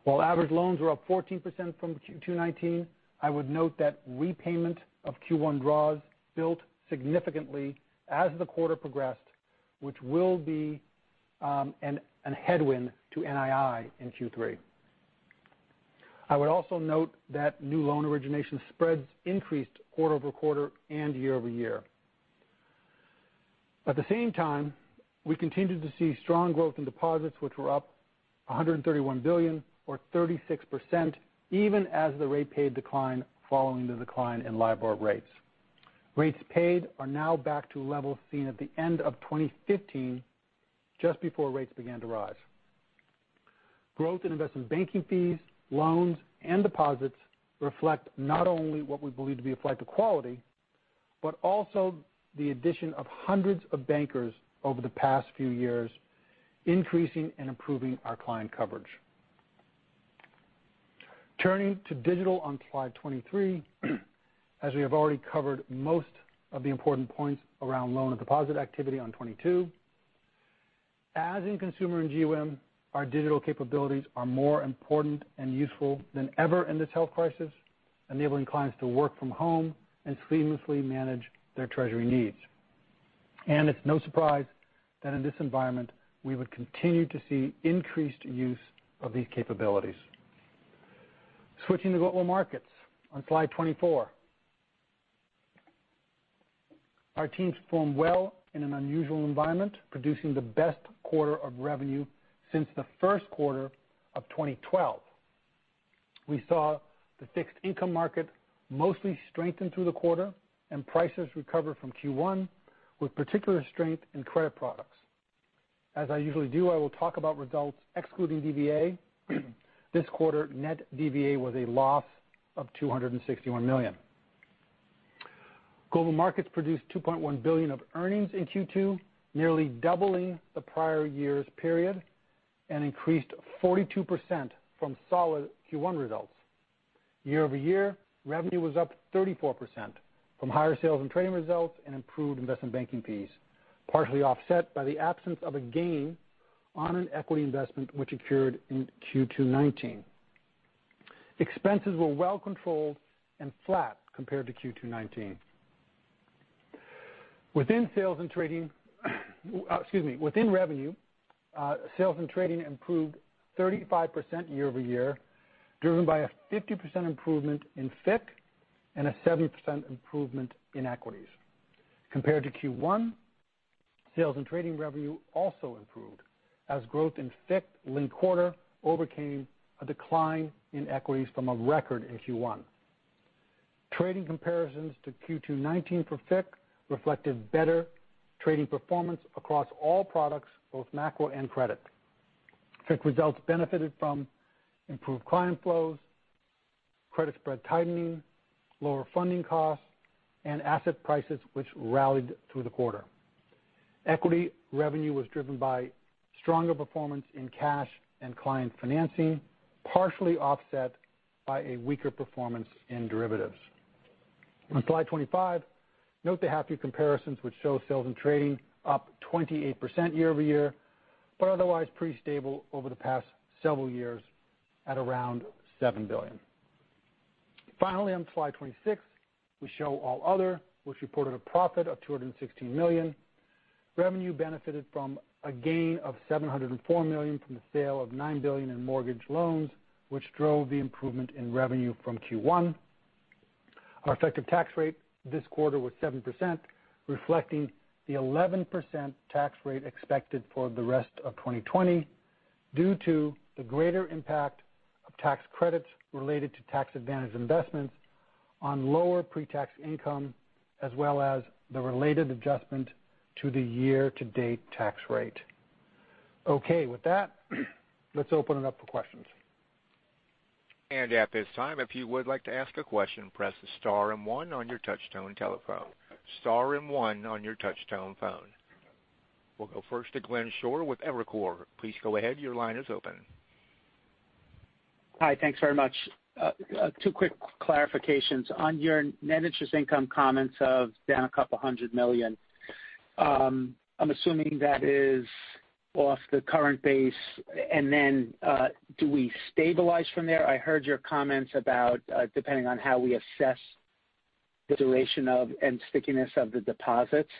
While average loans were up 14% from Q2 2019, I would note that repayment of Q1 draws built significantly as the quarter progressed, which will be a headwind to NII in Q3. I would also note that new loan origination spreads increased quarter-over-quarter and year-over-year. At the same time, we continued to see strong growth in deposits, which were up $131 billion or 36%, even as the rate paid declined following the decline in LIBOR rates. Rates paid are now back to levels seen at the end of 2015, just before rates began to rise. Growth in investment banking fees, loans, and deposits reflect not only what we believe to be a flight to quality, but also the addition of hundreds of bankers over the past few years, increasing and improving our client coverage. Turning to digital on slide 23. As we have already covered most of the important points around loan and deposit activity on 22, as in consumer and GWM, our digital capabilities are more important and useful than ever in this health crisis, enabling clients to work from home and seamlessly manage their treasury needs. It's no surprise that in this environment, we would continue to see increased use of these capabilities. Switching to global markets on slide 24. Our teams performed well in an unusual environment, producing the best quarter of revenue since the first quarter of 2012. We saw the fixed income market mostly strengthen through the quarter and prices recover from Q1, with particular strength in credit products. As I usually do, I will talk about results excluding DVA. This quarter, net DVA was a loss of $261 million. Global markets produced $2.1 billion of earnings in Q2, nearly doubling the prior year's period, increased 42% from solid Q1 results. Year-over-year, revenue was up 34% from higher sales and trading results and improved investment banking fees, partially offset by the absence of a gain on an equity investment which occurred in Q2 2019. Expenses were well controlled and flat compared to Q2 2019. Within revenue, sales and trading improved 35% year-over-year, driven by a 50% improvement in FICC and a 7% improvement in equities. Compared to Q1, sales and trading revenue also improved as growth in FICC linked-quarter overcame a decline in equities from a record in Q1. Trading comparisons to Q2 2019 for FICC reflected better trading performance across all products, both macro and credit. FICC results benefited from improved client flows, credit spread tightening, lower funding costs, and asset prices, which rallied through the quarter. Equity revenue was driven by stronger performance in cash and client financing, partially offset by a weaker performance in derivatives. On slide 25, note the half year comparisons which show sales and trading up 28% year-over-year, but otherwise pretty stable over the past several years at around $7 billion. Finally, on slide 26, we show all other, which reported a profit of $216 million. Revenue benefited from a gain of $704 million from the sale of $9 billion in mortgage loans, which drove the improvement in revenue from Q1. Our effective tax rate this quarter was 7%, reflecting the 11% tax rate expected for the rest of 2020 due to the greater impact of tax credits related to tax advantage investments on lower pre-tax income, as well as the related adjustment to the year-to-date tax rate. Okay. With that, let's open it up for questions. At this time, if you would like to ask a question, press star and one on your touchtone telephone. Star and one on your touchtone phone. We'll go first to Glenn Schorr with Evercore. Please go ahead. Your line is open. Hi. Thanks very much. Two quick clarifications. On your Net Interest Income comments of down a couple hundred million, I'm assuming that is off the current base. Do we stabilize from there? I heard your comments about depending on how we assess the duration of and stickiness of the deposits.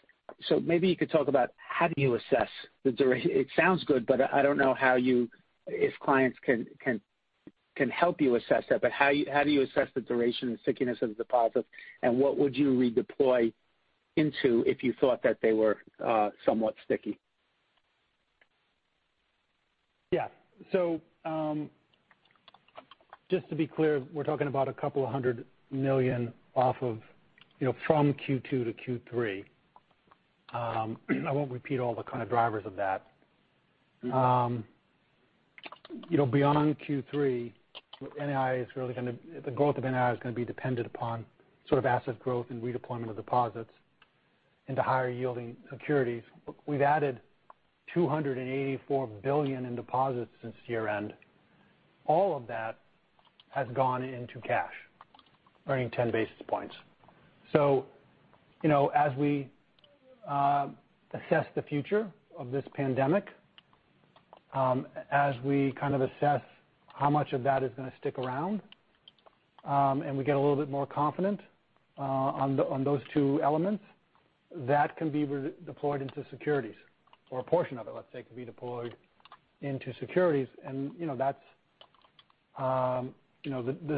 Maybe you could talk about how do you assess the. It sounds good, but I don't know if clients can help you assess that. How do you assess the duration and stickiness of the deposits, and what would you redeploy into if you thought that they were somewhat sticky? Yeah. Just to be clear, we're talking about $200 million from Q2 to Q3. I won't repeat all the kind of drivers of that. Beyond Q3, the growth of NII is going to be dependent upon sort of asset growth and redeployment of deposits into higher yielding securities. We've added $284 billion in deposits since year-end. All of that has gone into cash, earning ten basis points. As we assess the future of this pandemic, as we kind of assess how much of that is going to stick around, and we get a little bit more confident on those two elements, that can be deployed into securities. A portion of it, let's say, can be deployed into securities, and there's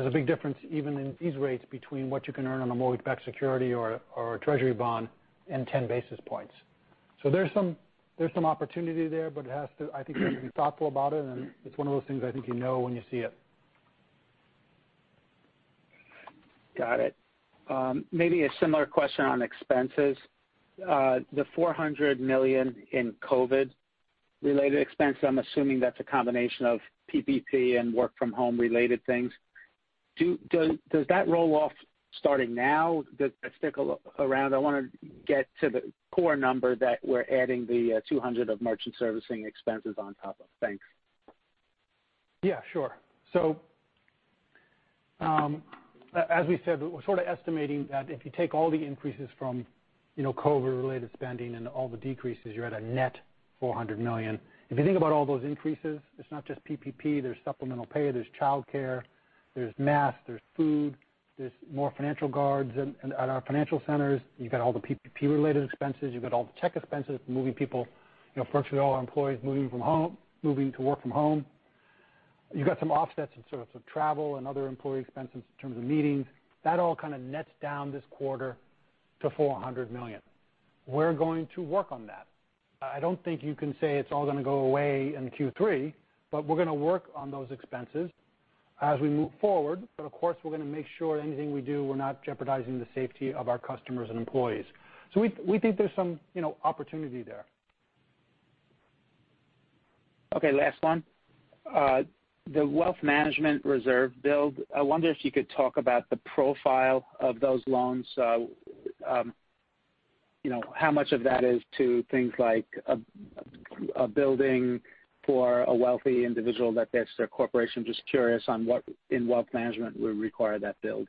a big difference even in these rates between what you can earn on a mortgage-backed security or a Treasury bond and ten basis points. There's some opportunity there, but I think you have to be thoughtful about it, and it's one of those things I think you know when you see it. Got it. Maybe a similar question on expenses. The $400 million in COVID-related expense, I'm assuming that's a combination of PPP and work from home-related things. Does that roll off starting now? Does that stick around? I want to get to the core number that we're adding the $200 of merchant servicing expenses on top of. Thanks. Yeah, sure. As we said, we're sort of estimating that if you take all the increases from COVID-19-related spending and all the decreases, you're at a net $400 million. If you think about all those increases, it's not just PPP. There's supplemental pay, there's childcare, there's masks, there's food, there's more financial guards at our financial centers. You've got all the PPP-related expenses. You've got all the check expenses from virtually all our employees moving to work from home. You've got some offsets in sort of travel and other employee expenses in terms of meetings. That all kind of nets down this quarter to $400 million. We're going to work on that. I don't think you can say it's all going to go away in Q3, but we're going to work on those expenses as we move forward. Of course, we're going to make sure anything we do, we're not jeopardizing the safety of our customers and employees. We think there's some opportunity there. Okay, last one. The wealth management reserve build, I wonder if you could talk about the profile of those loans. How much of that is to things like a building for a wealthy individual that that's their corporation? Just curious on what in wealth management would require that build.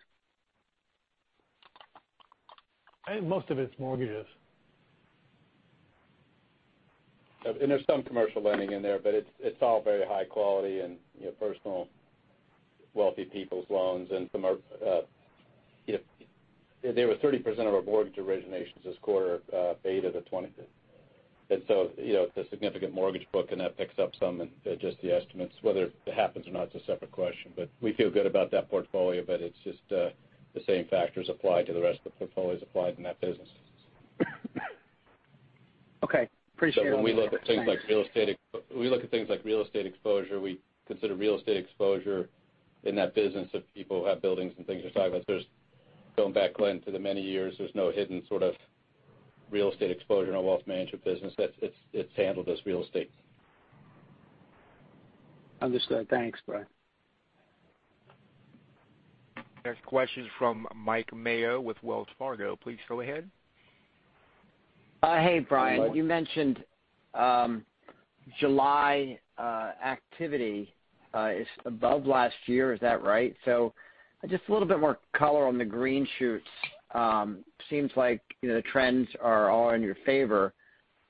I think most of it's mortgages. There's some commercial lending in there, but it's all very high quality and personal wealthy people's loans. They were 30% of our mortgage originations this quarter, 8th to the 25th. It's a significant mortgage book, and that picks up some in just the estimates. Whether it happens or not is a separate question, but we feel good about that portfolio. It's just the same factors apply to the rest of the portfolios applied in that business. Okay. Appreciate it. Thanks. When we look at things like real estate exposure, we consider real estate exposure in that business of people who have buildings and things you're talking about. Going back, Glenn, to the many years, there's no hidden sort of real estate exposure in our wealth management business. It's handled as real estate. Understood. Thanks, Brian. Next question's from Mike Mayo with Wells Fargo. Please go ahead. Hey, Brian. Hi, Mike. You mentioned July activity is above last year, is that right? Just a little bit more color on the green shoots. Seems like the trends are all in your favor,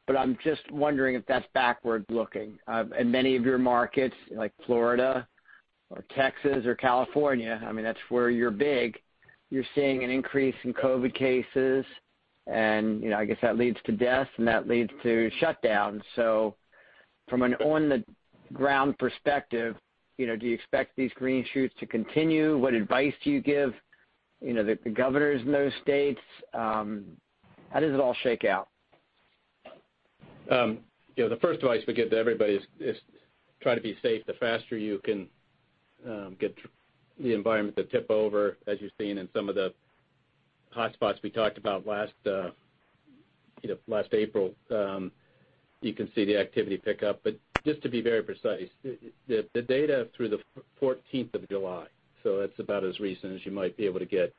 but I'm just wondering if that's backward-looking. In many of your markets, like Florida or Texas or California, that's where you're big, you're seeing an increase in COVID cases, and I guess that leads to deaths and that leads to shutdowns. From an on-the-ground perspective, do you expect these green shoots to continue? What advice do you give the governors in those states? How does it all shake out? The first advice we give to everybody is try to be safe. The faster you can get the environment to tip over, as you've seen in some of the hotspots we talked about last April, you can see the activity pick up. Just to be very precise, the data through the 14th of July, so that's about as recent as you might be able to get,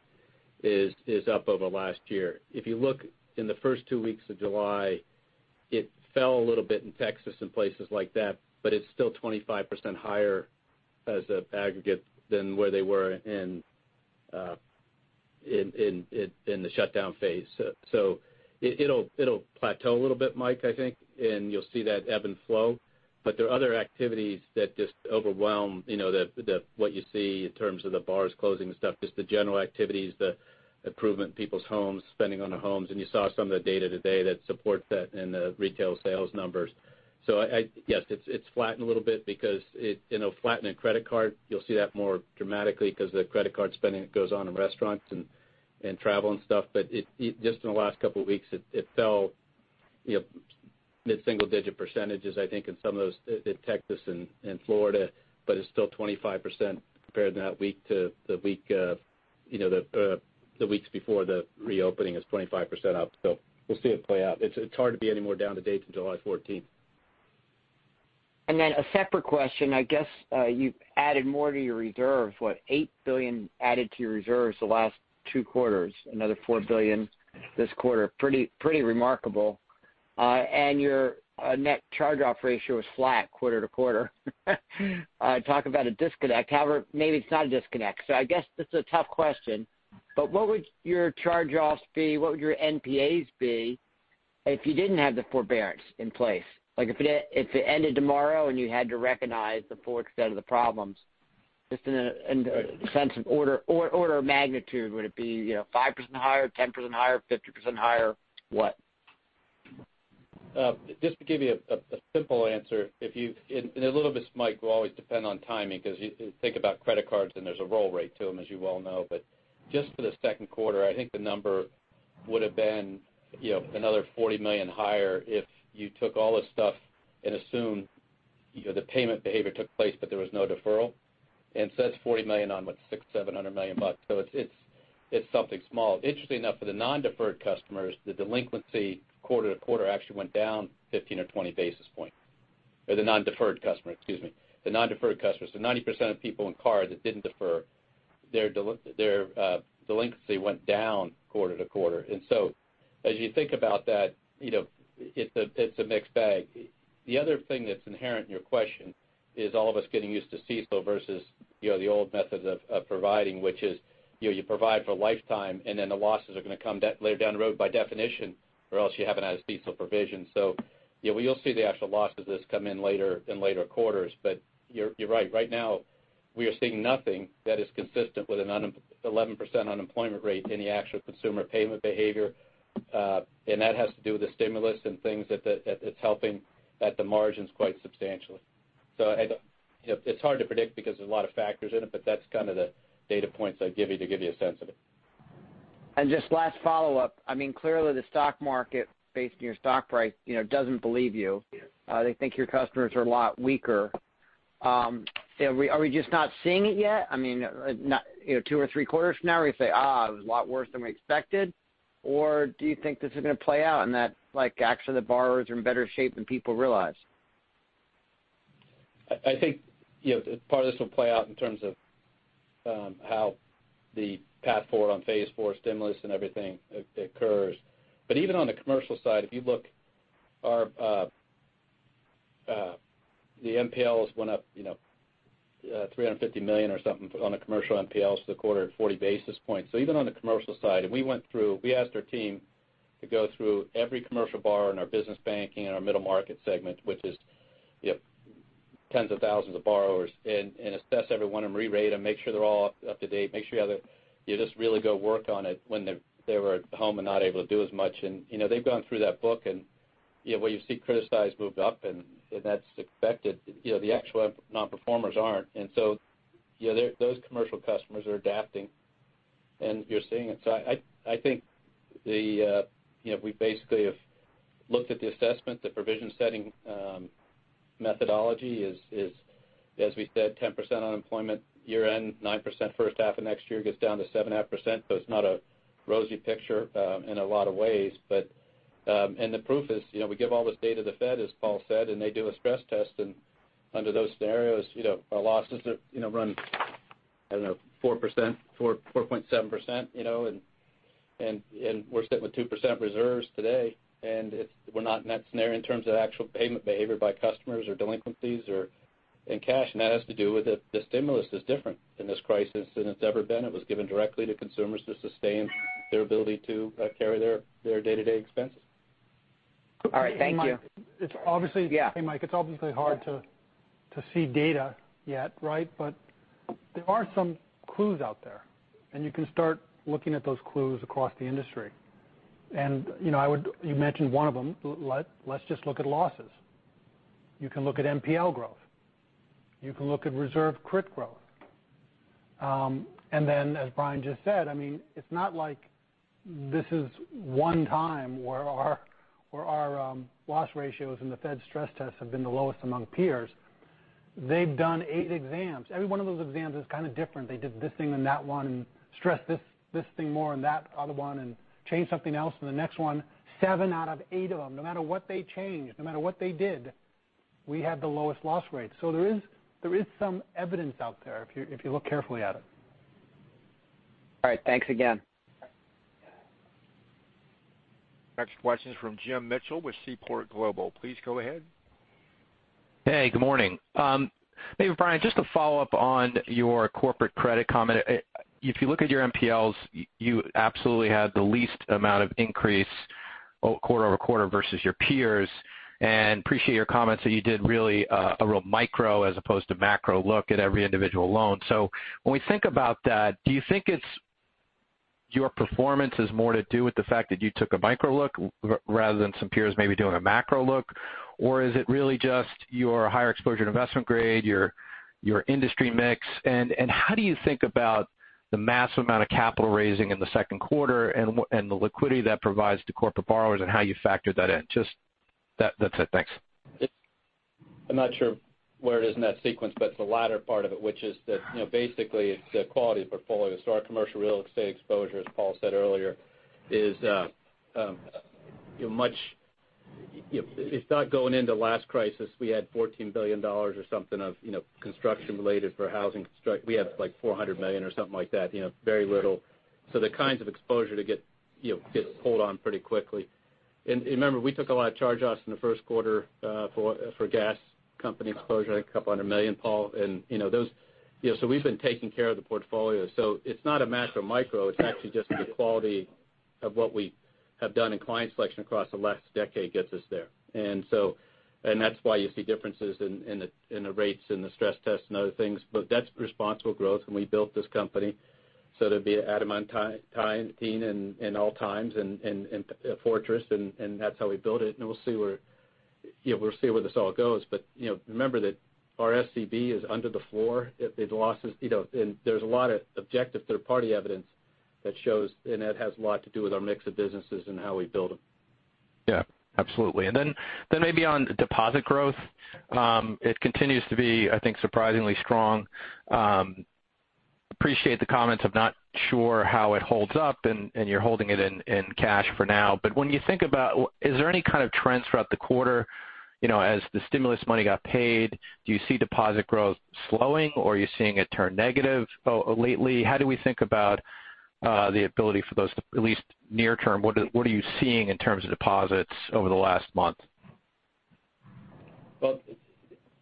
is up over last year. If you look in the first two weeks of July, it fell a little bit in Texas and places like that, but it's still 25% higher as an aggregate than where they were in the shutdown phase. It'll plateau a little bit, Mike, I think, and you'll see that ebb and flow. There are other activities that just overwhelm what you see in terms of the bars closing and stuff, just the general activities, the improvement in people's homes, spending on their homes, and you saw some of the data today that supports that in the retail sales numbers. Yes, it's flattened a little bit because it flattened in credit card. You'll see that more dramatically because the credit card spending goes on in restaurants and travel and stuff. Just in the last couple of weeks, it fell mid-single-digit percentages, I think, in some of those, in Texas and Florida, but it's still 25% compared to that week to the weeks before the reopening is 25% up. We'll see it play out. It's hard to be any more down to date than July 14th. A separate question. I guess you've added more to your reserve. What, $8 billion added to your reserves the last two quarters, another $4 billion this quarter. Pretty remarkable. Your net charge-off ratio is flat quarter-to-quarter. Talk about a disconnect. Maybe it's not a disconnect. I guess this is a tough question. What would your charge-offs be? What would your NPAs be if you didn't have the forbearance in place? If it ended tomorrow and you had to recognize the full extent of the problems, just in the sense of order of magnitude, would it be 5% higher, 10% higher, 50% higher, what? Just to give you a simple answer, a little bit, Mike, will always depend on timing because you think about credit cards and there's a roll rate to them, as you well know. Just for the second quarter, I think the number would've been another $40 million higher if you took all the stuff and assumed the payment behavior took place, but there was no deferral. That's $40 million on what? $600 million, $700 million. It's something small. Interestingly enough, for the non-deferred customers, the delinquency quarter-to-quarter actually went down 15 or 20 basis points. For the non-deferred customer, excuse me. The non-deferred customers. The 90% of people in card that didn't defer, their delinquency went down quarter-to-quarter. As you think about that, it's a mixed bag. The other thing that's inherent in your question is all of us getting used to CECL versus the old methods of providing, which is you provide for a lifetime, and then the losses are going to come later down the road by definition, or else you haven't had CECL provision. You'll see the actual losses of this come in later quarters. You're right. Right now, we are seeing nothing that is consistent with an 11% unemployment rate in the actual consumer payment behavior. That has to do with the stimulus and things that's helping at the margins quite substantially. It's hard to predict because there's a lot of factors in it, but that's kind of the data points I'd give you to give you a sense of it. Just last follow-up. Clearly the stock market, based on your stock price, doesn't believe you. They think your customers are a lot weaker. Are we just not seeing it yet? Two or three quarters from now, are we going to say, "It was a lot worse than we expected"? Do you think this is going to play out and that actually the borrowers are in better shape than people realize? I think part of this will play out in terms of how the path forward on phase four stimulus and everything occurs. Even on the commercial side, if you look, the NPLs went up $350 million or something on the commercial NPLs for the quarter at 40 basis points. Even on the commercial side, we asked our team to go through every commercial borrower in our business banking and our middle market segment, which is tens of thousands of borrowers, and assess every one and rerate them, make sure they're all up to date. Just really go work on it when they were at home and not able to do as much. They've gone through that book, what you see criticized moved up, and that's expected. The actual non-performers aren't. Those commercial customers are adapting. And you're seeing it. I think we basically have looked at the assessment. The provision setting methodology is, as we said, 10% unemployment year-end, 9% first half of next year, gets down to 7.5%. The proof is, we give all this data to the Fed, as Paul said, and they do a stress test. Under those scenarios, our losses run, I don't know, 4.7%, and we're sitting with 2% reserves today. We're not in that scenario in terms of actual payment behavior by customers or delinquencies or in cash. That has to do with it. The stimulus is different in this crisis than it's ever been. It was given directly to consumers to sustain their ability to carry their day-to-day expenses. All right. Thank you. Hey, Mike. Yeah. Hey, Mike. It's obviously hard to see data yet, right? There are some clues out there, and you can start looking at those clues across the industry. You mentioned one of them. Let's just look at losses. You can look at NPL growth. You can look at reserve credit growth. Then as Brian just said, it's not like this is one time where our loss ratios in the Fed stress tests have been the lowest among peers. They've done eight exams. Every one of those exams is kind of different. They did this thing in that one, and stressed this thing more in that other one, and changed something else in the next one. Seven out of eight of them, no matter what they changed, no matter what they did, we had the lowest loss rate. There is some evidence out there if you look carefully at it. All right. Thanks again. Yeah. Next question is from Jim Mitchell with Seaport Global. Please go ahead. Hey, good morning. Maybe Brian, just to follow up on your corporate credit comment. If you look at your NPLs, you absolutely had the least amount of increase quarter over quarter versus your peers. Appreciate your comments that you did really a real micro as opposed to macro look at every individual loan. When we think about that, do you think your performance is more to do with the fact that you took a micro look rather than some peers maybe doing a macro look? Is it really just your higher exposure to investment grade, your industry mix? How do you think about the massive amount of capital raising in the second quarter and the liquidity that provides to corporate borrowers and how you factor that in? Just that's it. Thanks. I'm not sure where it is in that sequence, but it's the latter part of it, which is that basically it's the quality of the portfolio. Our commercial real estate exposure, as Paul said earlier, if not going into last crisis, we had $14 billion or something of construction related for housing construction. We had like $400 million or something like that. Very little. The kinds of exposure that get pulled on pretty quickly. Remember, we took a lot of charge offs in the first quarter for gas company exposure, like $200 million, Paul. We've been taking care of the portfolio. It's not a macro micro, it's actually just the quality of what we have done in client selection across the last decade gets us there. That's why you see differences in the rates and the stress test and other things. That's responsible growth, and we built this company so that it'd be adamantine in all times and a fortress, and that's how we built it. We'll see where this all goes. Remember that our SCB is under the floor in losses. There's a lot of objective third-party evidence that shows, and that has a lot to do with our mix of businesses and how we build them. Absolutely. Maybe on deposit growth, it continues to be, I think, surprisingly strong. Appreciate the comments. I'm not sure how it holds up, and you're holding it in cash for now. Is there any kind of trends throughout the quarter as the stimulus money got paid? Do you see deposit growth slowing, or are you seeing it turn negative lately? How do we think about the ability for those, at least near term, what are you seeing in terms of deposits over the last month? Well,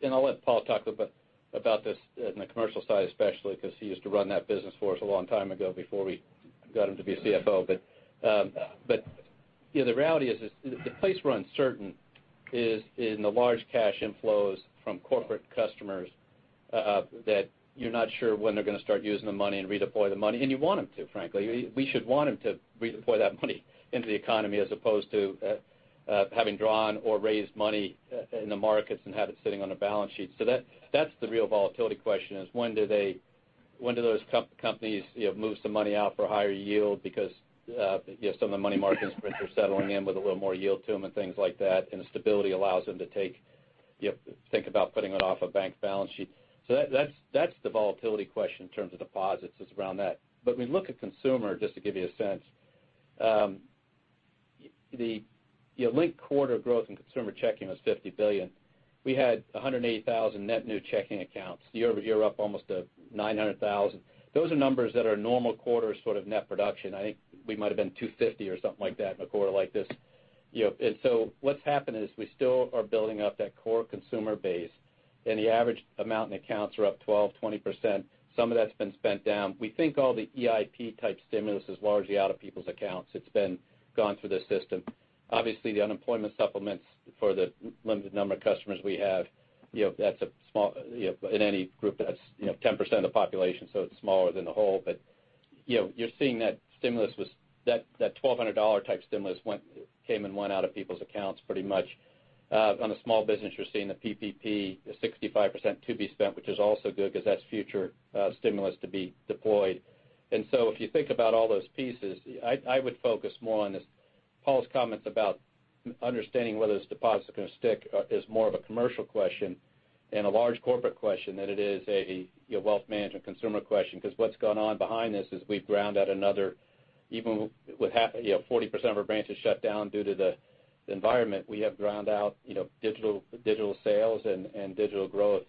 I'll let Paul talk about this in the commercial side especially because he used to run that business for us a long time ago before we got him to be a CFO. The reality is, the place we're uncertain is in the large cash inflows from corporate customers that you're not sure when they're going to start using the money and redeploy the money. You want them to, frankly. We should want them to redeploy that money into the economy as opposed to having drawn or raised money in the markets and have it sitting on a balance sheet. That's the real volatility question is when do those companies move some money out for higher yield because some of the money market instruments are settling in with a little more yield to them and things like that. The stability allows them to think about putting it off a bank balance sheet. That's the volatility question in terms of deposits is around that. When you look at consumer, just to give you a sense, the linked quarter growth in consumer checking was $50 billion. We had 180,000 net new checking accounts year-over-year, up almost to 900,000. Those are numbers that are normal quarter sort of net production. I think we might've been 250 or something like that in a quarter like this. What's happened is we still are building up that core consumer base, and the average amount in accounts are up 12%-20%. Some of that's been spent down. We think all the EIP type stimulus is largely out of people's accounts. It's gone through the system. The unemployment supplements for the limited number of customers we have, in any group that's 10% of the population, so it's smaller than the whole. You're seeing that stimulus was that $1,200 type stimulus came and went out of people's accounts pretty much. On the small business, you're seeing the PPP, the 65% to be spent, which is also good because that's future stimulus to be deployed. If you think about all those pieces, I would focus more on Paul's comments about understanding whether this deposit's going to stick is more of a commercial question and a large corporate question than it is a wealth management consumer question. What's gone on behind this is we've ground out another, even with 40% of our branches shut down due to the environment, we have ground out digital sales and digital growth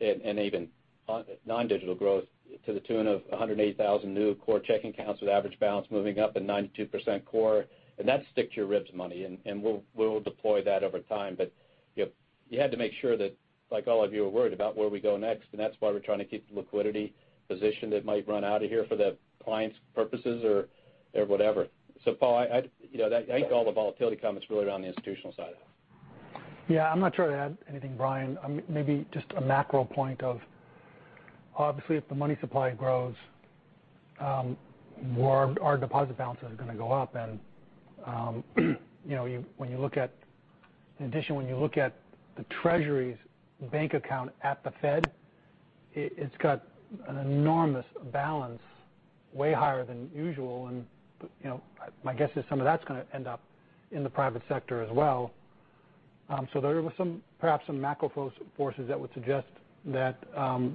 and even non-digital growth to the tune of 180,000 new core checking accounts with average balance moving up and 92% core. That's stick to your ribs money, and we'll deploy that over time. You had to make sure that, like all of you are worried about where we go next, and that's why we're trying to keep the liquidity position that might run out of here for the clients' purposes or whatever. Paul, I think all the volatility comments really around the institutional side. Yeah. I'm not sure I'd add anything, Brian. Maybe just a macro point of, obviously, if the money supply grows more, our deposit balances are going to go up. When you look at the Treasury's bank account at the Fed, it's got an enormous balance, way higher than usual. My guess is some of that's going to end up in the private sector as well. There was perhaps some macro forces that would suggest that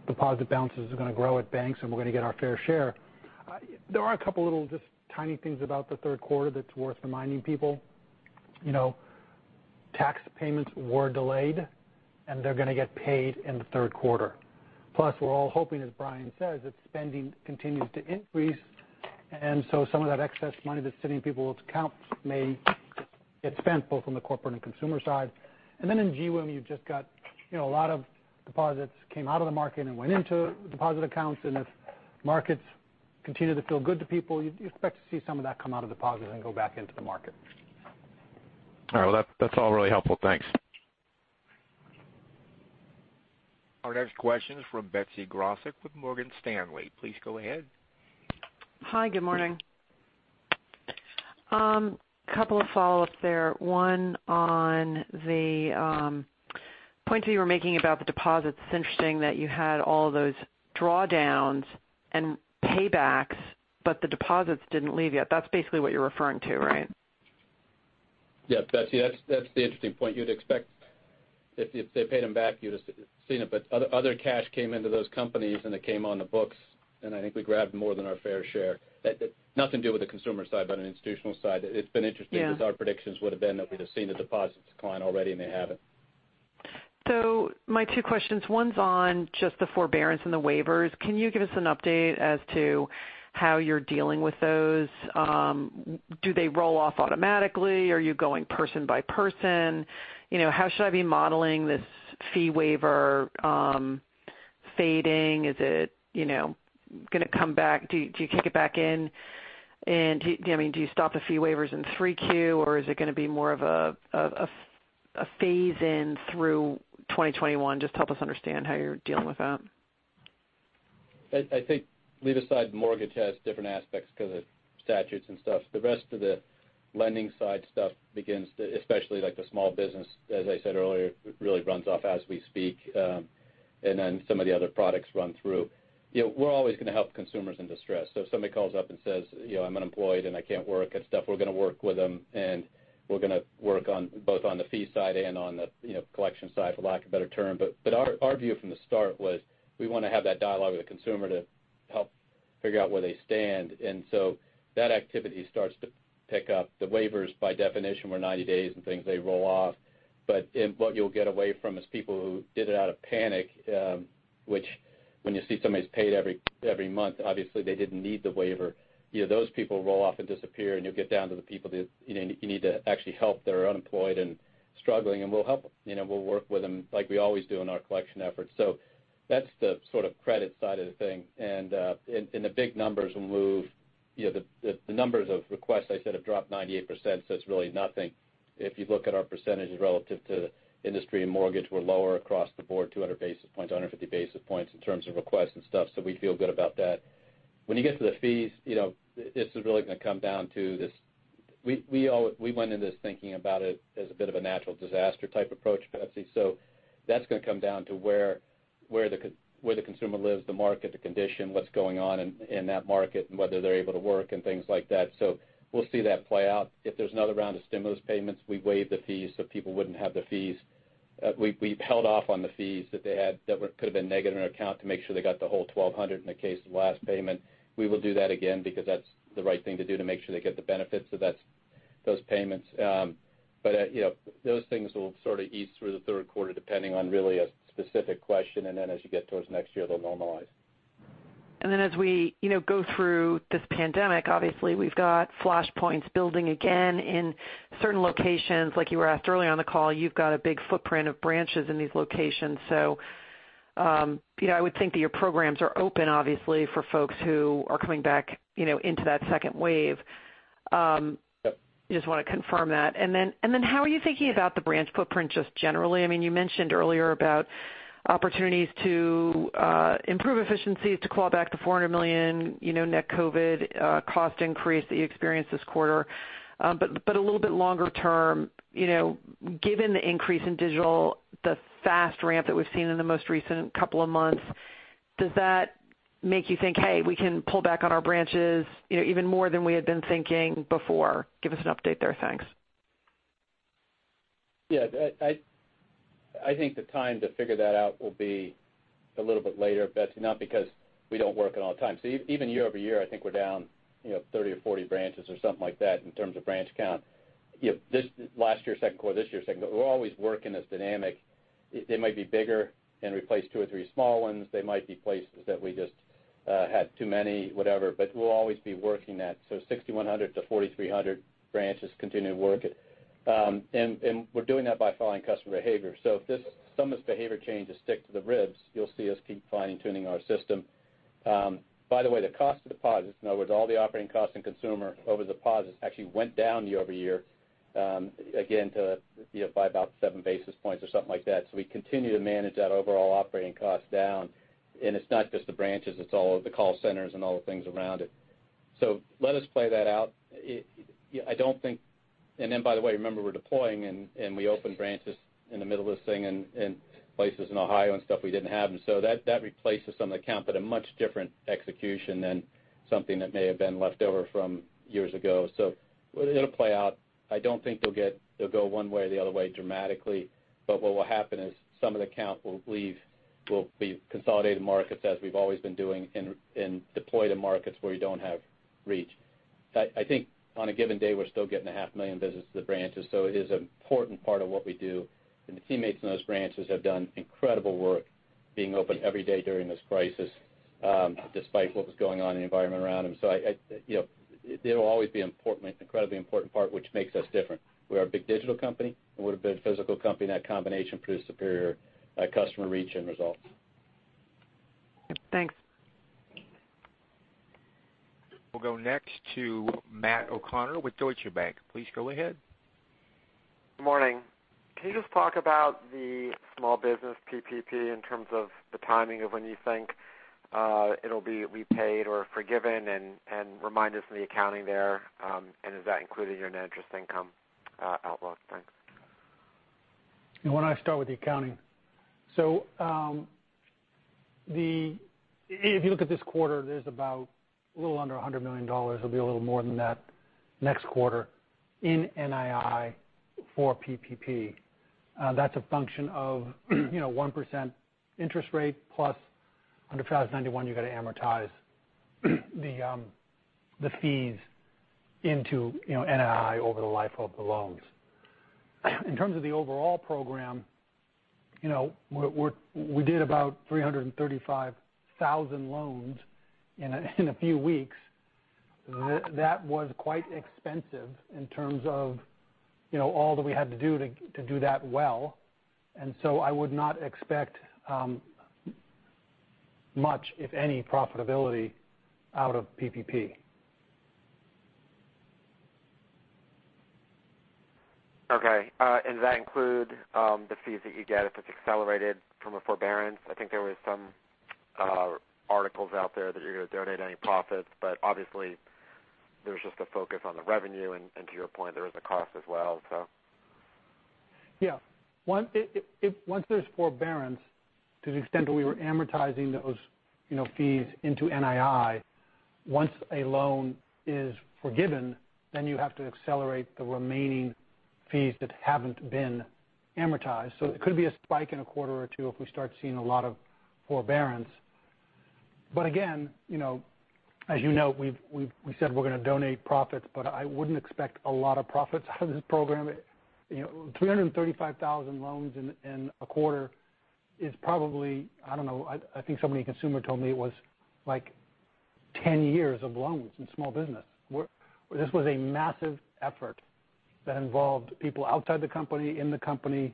deposit balances are going to grow at banks and we're going to get our fair share. There are a couple of little just tiny things about the third quarter that's worth reminding people. Tax payments were delayed, and they're going to get paid in the third quarter. Plus, we're all hoping, as Brian says, that spending continues to increase. Some of that excess money that's sitting in people's accounts may get spent, both on the corporate and consumer side. In GWIM, you've just got a lot of deposits came out of the market and went into deposit accounts. If markets continue to feel good to people, you'd expect to see some of that come out of deposit and go back into the market. All right. Well, that's all really helpful. Thanks. Our next question is from Betsy Graseck with Morgan Stanley. Please go ahead. Hi. Good morning. Couple of follow-ups there. One on the point you were making about the deposits. It's interesting that you had all those drawdowns and paybacks, but the deposits didn't leave yet. That's basically what you're referring to, right? Yeah, Betsy. That's the interesting point. You'd expect if they paid them back, you'd have seen it. Other cash came into those companies and it came on the books, and I think we grabbed more than our fair share. Nothing to do with the consumer side, but on the institutional side. It's been interesting because our predictions would've been that we'd have seen the deposits decline already, and they haven't. My two questions, one's on just the forbearance and the waivers. Can you give us an update as to how you're dealing with those? Do they roll off automatically? Are you going person by person? How should I be modeling this fee waiver fading? Is it going to come back? Do you kick it back in? Do you stop the fee waivers in 3Q, or is it going to be more of a phase in through 2021? Just help us understand how you're dealing with that. I think leave aside mortgage has different aspects because of statutes and stuff. The rest of the lending side stuff begins to, especially like the small business, as I said earlier, really runs off as we speak. Some of the other products run through. We're always going to help consumers in distress. If somebody calls up and says, "I'm unemployed and I can't work" and stuff, we're going to work with them and we're going to work both on the fee side and on the collection side, for lack of a better term. Our view from the start was we want to have that dialogue with the consumer to help figure out where they stand. That activity starts to pick up. The waivers by definition were 90 days and things, they roll off. What you'll get away from is people who did it out of panic, which when you see somebody's paid every month, obviously they didn't need the waiver. Those people roll off and disappear, and you'll get down to the people that you need to actually help that are unemployed and struggling, and we'll help them. We'll work with them like we always do in our collection efforts. That's the sort of credit side of the thing. The big numbers will move. The numbers of requests I said have dropped 98%, so it's really nothing. If you look at our percentages relative to industry and mortgage, we're lower across the board 200 basis points, 150 basis points in terms of requests and stuff. We feel good about that. When you get to the fees, this is really going to come down to this. We went into this thinking about it as a bit of a natural disaster type approach, Betsy. That's going to come down to where the consumer lives, the market, the condition, what's going on in that market, and whether they're able to work and things like that. We'll see that play out. If there's another round of stimulus payments, we waive the fees so people wouldn't have the fees. We held off on the fees that they had that could've been negative in their account to make sure they got the whole $1,200 in the case of the last payment. We will do that again because that's the right thing to do to make sure they get the benefits of those payments. Those things will sort of ease through the third quarter, depending on really a specific question. As you get towards next year, they'll normalize. As we go through this pandemic, obviously we've got flashpoints building again in certain locations. Like you were asked earlier on the call, you've got a big footprint of branches in these locations. I would think that your programs are open, obviously, for folks who are coming back into that second wave. Yep. Just want to confirm that. How are you thinking about the branch footprint just generally? You mentioned earlier about opportunities to improve efficiencies to claw back the $400 million net COVID-19 cost increase that you experienced this quarter. A little bit longer term, given the increase in digital, the fast ramp that we've seen in the most recent couple of months, does that make you think, "Hey, we can pull back on our branches even more than we had been thinking before?" Give us an update there. Thanks. I think the time to figure that out will be a little bit later, Betsy, not because we don't work on it all the time. Even year-over-year, I think we're down 30 or 40 branches or something like that in terms of branch count. Last year's second quarter, this year's second. We're always working this dynamic. They might be bigger and replace two or three small ones. They might be places that we just had too many, whatever, we'll always be working that. 6,100 to 4,300 branches continuing to work. We're doing that by following customer behavior. If some of this behavior change stick to the ribs, you'll see us keep fine-tuning our system. The cost of deposits, in other words, all the operating costs in consumer over deposits actually went down year-over-year, again, by about seven basis points or something like that. We continue to manage that overall operating cost down. It's not just the branches, it's all of the call centers and all the things around it. Let us play that out. By the way, remember, we're deploying and we opened branches in the middle of this thing in places in Ohio and stuff we didn't have. That replaces some of the count, but a much different execution than something that may have been left over from years ago. It'll play out. I don't think it'll go one way or the other way dramatically. What will happen is some of the count will leave, will be consolidated markets as we've always been doing, and deploy to markets where we don't have reach. I think on a given day, we're still getting a half million visits to the branches, so it is an important part of what we do. The teammates in those branches have done incredible work being open every day during this crisis, despite what was going on in the environment around them. It will always be an incredibly important part, which makes us different. We're a big digital company and we're a big physical company, and that combination produces superior customer reach and results. Thanks. We'll go next to Matthew O'Connor with Deutsche Bank. Please go ahead. Good morning. Can you just talk about the small business PPP in terms of the timing of when you think it'll be repaid or forgiven, and remind us of the accounting there, and is that included in your net interest income outlook? Thanks. Why don't I start with the accounting. If you look at this quarter, there's about a little under $100 million. It'll be a little more than that next quarter in NII for PPP. That's a function of 1% interest rate plus under FAS 91 you got to amortize the fees into NII over the life of the loans. In terms of the overall program, we did about 335,000 loans in a few weeks. That was quite expensive in terms of all that we had to do to do that well, and so I would not expect much, if any, profitability out of PPP. Okay. Does that include the fees that you get if it's accelerated from a forbearance? I think there was some articles out there that you're going to donate any profits, but obviously there's just a focus on the revenue, and to your point, there is a cost as well. Yeah. Once there's forbearance, to the extent that we were amortizing those fees into NII, once a loan is forgiven, then you have to accelerate the remaining fees that haven't been amortized. It could be a spike in a quarter or two if we start seeing a lot of forbearance. Again, as you know, we said we're going to donate profits, but I wouldn't expect a lot of profits out of this program. 335,000 loans in a quarter is probably, I don't know, I think somebody in consumer told me it was like 10 years of loans in small business. This was a massive effort that involved people outside the company, in the company,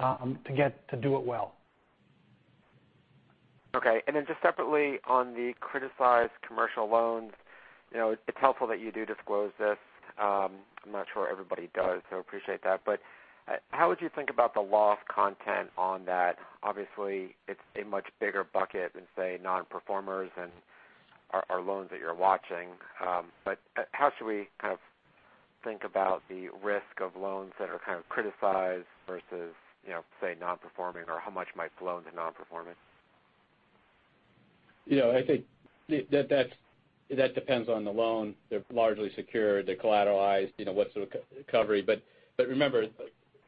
to do it well. Okay. Just separately on the criticized commercial loans, it's helpful that you do disclose this. I'm not sure everybody does, appreciate that. How would you think about the loss content on that? Obviously, it's a much bigger bucket than, say, non-performers and our loans that you're watching. How should we kind of think about the risk of loans that are kind of criticized versus, say, non-performing, or how much might flow into non-performance? I think that depends on the loan. They're largely secured. They're collateralized. What's the recovery? Remember,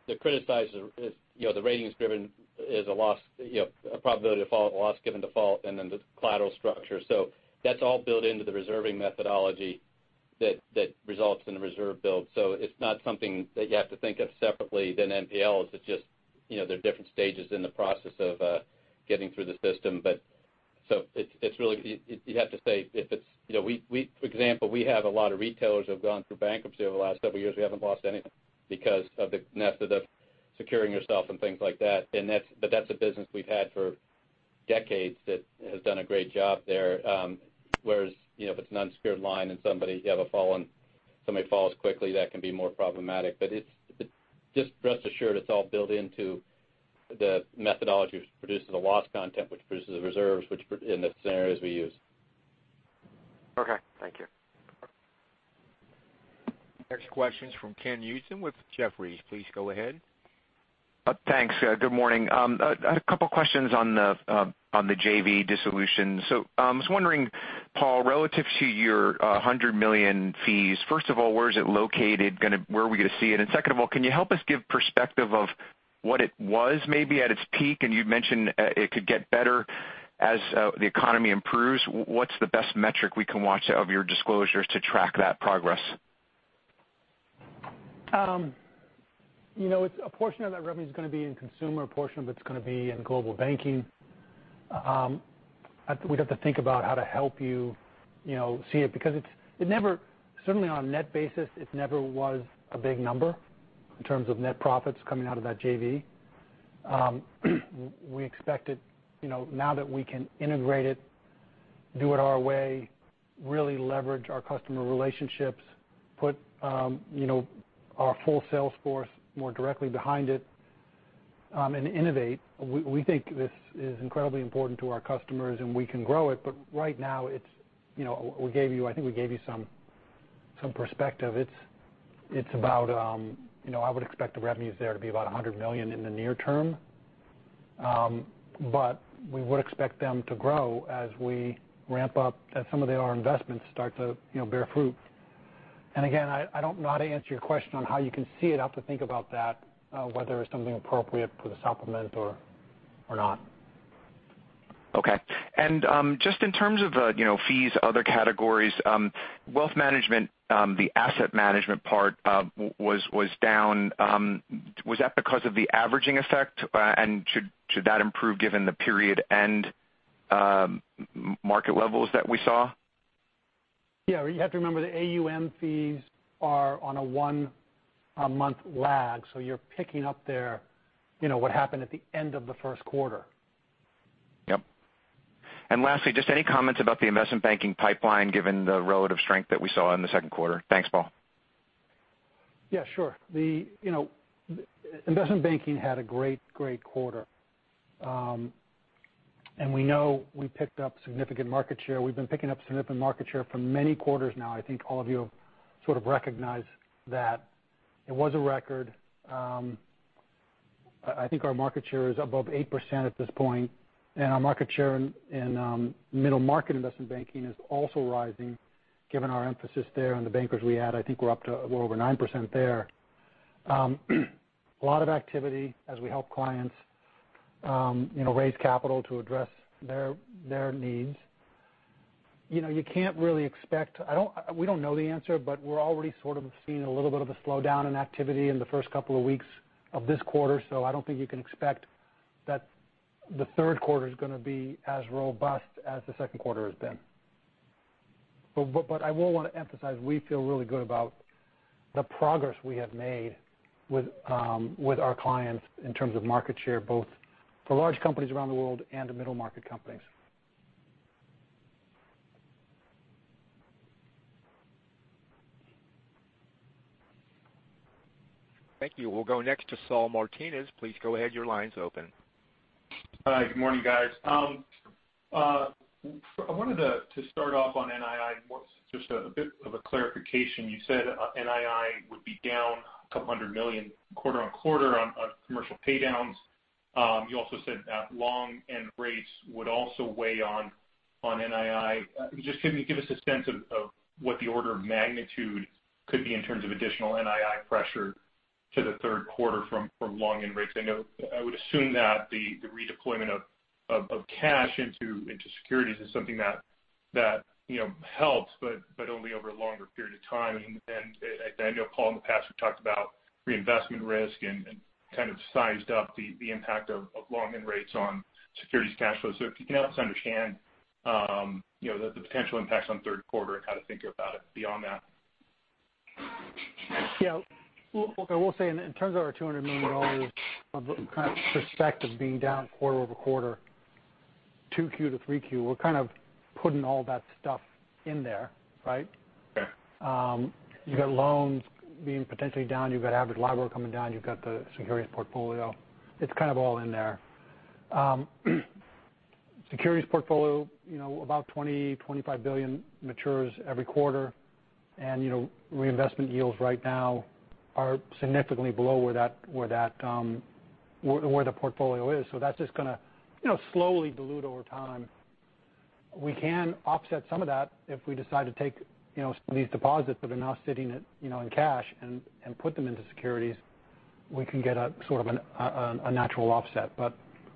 the criticized, the rating is driven as a probability of loss given default and then the collateral structure. That's all built into the reserving methodology that results in the reserve build. It's not something that you have to think of separately than NPLs. It's just there are different stages in the process of getting through the system. For example, we have a lot of retailers who have gone through bankruptcy over the last several years. We haven't lost any because of the net of the securing itself and things like that. That's a business we've had for decades that has done a great job there. Whereas, if it's an unsecured line and somebody you have a fall and somebody falls quickly, that can be more problematic. Just rest assured, it's all built into the methodology which produces a loss content, which produces reserves, which in the scenarios we use. Okay. Thank you. Next question's from Ken Usdin with Jefferies. Please go ahead. Thanks. Good morning. I had a couple questions on the JV dissolution. I was wondering, Paul, relative to your $100 million fees, first of all, where is it located? Where are we going to see it? Second of all, can you help us give perspective of what it was maybe at its peak? You'd mentioned it could get better as the economy improves. What's the best metric we can watch out of your disclosures to track that progress? A portion of that revenue is going to be in consumer, a portion of it's going to be in global banking. We'd have to think about how to help you see it because certainly on a net basis, it never was a big number in terms of net profits coming out of that JV. We expect it, now that we can integrate it, do it our way, really leverage our customer relationships, put our full sales force more directly behind it, and innovate. We think this is incredibly important to our customers, and we can grow it. Right now, I think we gave you some perspective. I would expect the revenues there to be about $100 million in the near term. We would expect them to grow as we ramp up, as some of our investments start to bear fruit. Again, I don't know how to answer your question on how you can see it. I'll have to think about that whether it's something appropriate for the supplement or not. Okay. Just in terms of fees, other categories, wealth management, the asset management part was down. Was that because of the averaging effect? Should that improve given the period end market levels that we saw? Yeah. You have to remember the AUM fees are on a one month lag. You're picking up there what happened at the end of the first quarter. Yep. Lastly, just any comments about the investment banking pipeline given the relative strength that we saw in the second quarter. Thanks, Paul. Yeah, sure. investment banking had a great quarter. We know we picked up significant market share. We've been picking up significant market share for many quarters now. I think all of you have sort of recognized that. It was a record. I think our market share is above 8% at this point, and our market share in middle market investment banking is also rising given our emphasis there on the bankers we add. I think we're up to well over 9% there. A lot of activity as we help clients raise capital to address their needs. We don't know the answer, but we're already sort of seeing a little bit of a slowdown in activity in the first couple of weeks of this quarter. I don't think you can expect that the third quarter is going to be as robust as the second quarter has been. I will want to emphasize we feel really good about the progress we have made with our clients in terms of market share, both for large companies around the world and the middle market companies. Thank you. We'll go next to Saul Martinez. Please go ahead. Your line's open. Hi. Good morning, guys. I wanted to start off on NII, just a bit of a clarification. You said NII would be down a couple hundred million quarter-on-quarter on commercial pay downs. You also said that long end rates would also weigh on NII. Just can you give us a sense of what the order of magnitude could be in terms of additional NII pressure to the third quarter from long end rates? I would assume that the redeployment of cash into securities is something that helps, but only over a longer period of time. I know, Paul, in the past we've talked about reinvestment risk and kind of sized up the impact of long end rates on securities cash flow. If you can help us understand the potential impacts on third quarter and how to think about it beyond that. Yeah. I will say in terms of our $200 million of kind of perspective being down quarter-over-quarter, 2Q to 3Q, we're kind of putting all that stuff in there, right? Yeah. You've got loans being potentially down. You've got average liability coming down. You've got the securities portfolio. It's kind of all in there. Securities portfolio about $20 billion-$25 billion matures every quarter. Reinvestment yields right now are significantly below where the portfolio is. That's just going to slowly dilute over time. We can offset some of that if we decide to take these deposits that are now sitting in cash and put them into securities. We can get a sort of a natural offset.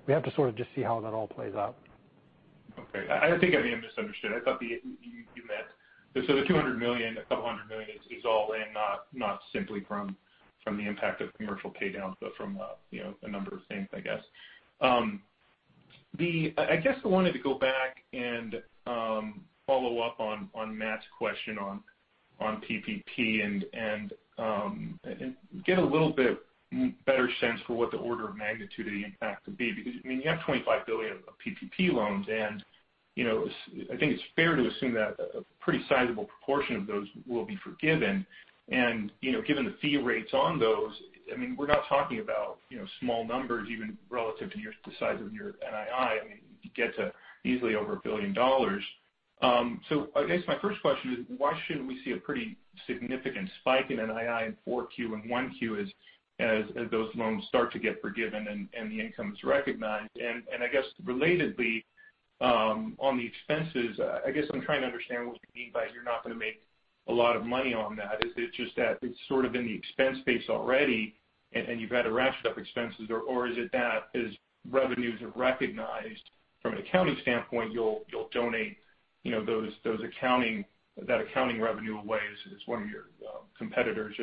We have to sort of just see how that all plays out. Okay. I think I may have misunderstood. The $200 million, a couple hundred million is all in, not simply from the impact of commercial paydowns but from a number of things, I guess. I guess I wanted to go back and follow up on Matt's question on PPP and get a little bit better sense for what the order of magnitude of the impact could be. You have $25 billion of PPP loans, and I think it's fair to assume that a pretty sizable proportion of those will be forgiven. Given the fee rates on those, we're not talking about small numbers, even relative to the size of your NII. You get to easily over $1 billion. I guess my first question is, why shouldn't we see a pretty significant spike in NII in four Q and one Q as those loans start to get forgiven and the income's recognized? I guess relatedly, on the expenses, I guess I'm trying to understand what you mean by you're not going to make a lot of money on that. Is it just that it's sort of in the expense base already and you've had to ratchet up expenses? Or is it that as revenues are recognized from an accounting standpoint, you'll donate that accounting revenue away, as one of your competitors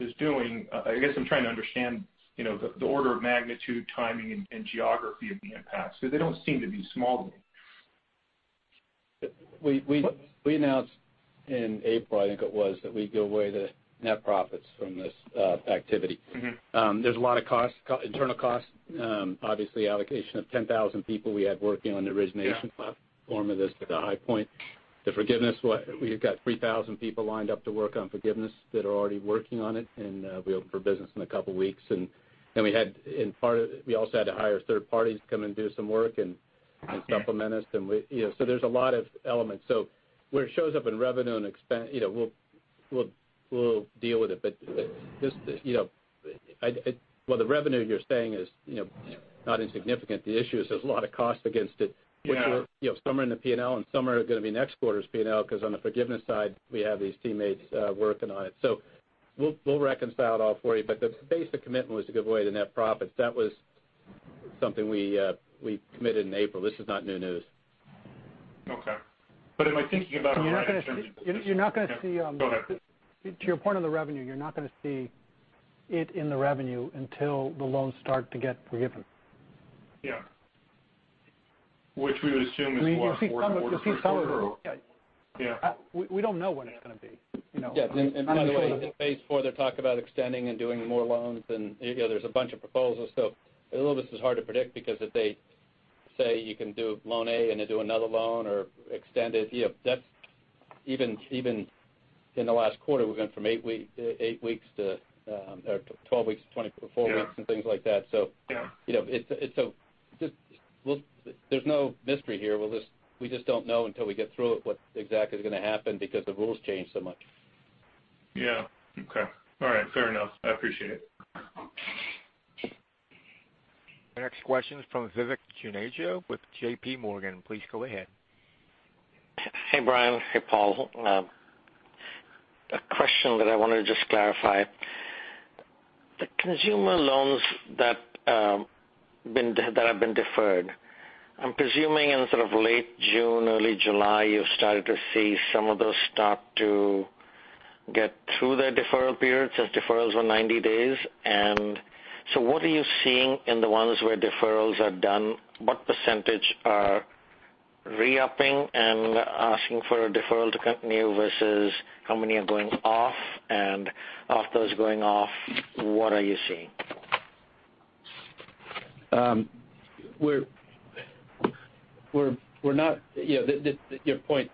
is doing? I guess I'm trying to understand the order of magnitude, timing, and geography of the impact, because they don't seem to be small to me. We announced in April, I think it was, that we'd give away the net profits from this activity. There's a lot of internal costs. Obviously, allocation of 10,000 people we had working on the origination platform. Yeah of this at the high point. The forgiveness, we've got 3,000 people lined up to work on forgiveness that are already working on it, and we open for business in a couple of weeks. We also had to hire third parties to come and do some work. Okay supplement us. There's a lot of elements. Where it shows up in revenue and expense, we'll deal with it. The revenue you're saying is not insignificant. The issue is there's a lot of costs against it. Yeah. Which were, some are in the P&L and some are going to be next quarter's P&L because on the forgiveness side, we have these teammates working on it. We'll reconcile it all for you. The basic commitment was to give away the net profits. That was something we committed in April. This is not new news. Okay. Am I thinking about it right? You're not going to see. Go ahead. To your point on the revenue, you're not going to see it in the revenue until the loans start to get forgiven. Yeah. Which we would assume is more fourth quarter. You'll see some of it. Yeah. We don't know when it's going to be. Yeah. By the way, in phase four, they're talking about extending and doing more loans, and there's a bunch of proposals. A little bit is hard to predict because if they say you can do loan A and they do another loan or extend it, even in the last quarter, we've gone from eight weeks to 12 weeks to 24 weeks. Yeah Things like that. Yeah. There's no mystery here. We just don't know until we get through it what exactly is going to happen because the rules change so much. Yeah. Okay. All right. Fair enough. I appreciate it. The next question is from Vivek Juneja with JPMorgan. Please go ahead. Hey, Brian. Hey, Paul. A question that I want to just clarify. The consumer loans that have been deferred, I'm presuming in sort of late June, early July, you've started to see some of those start to get through their deferral periods, since deferrals were 90 days. What are you seeing in the ones where deferrals are done? What percentage are re-upping and asking for a deferral to continue versus how many are going off? Of those going off, what are you seeing? Your point,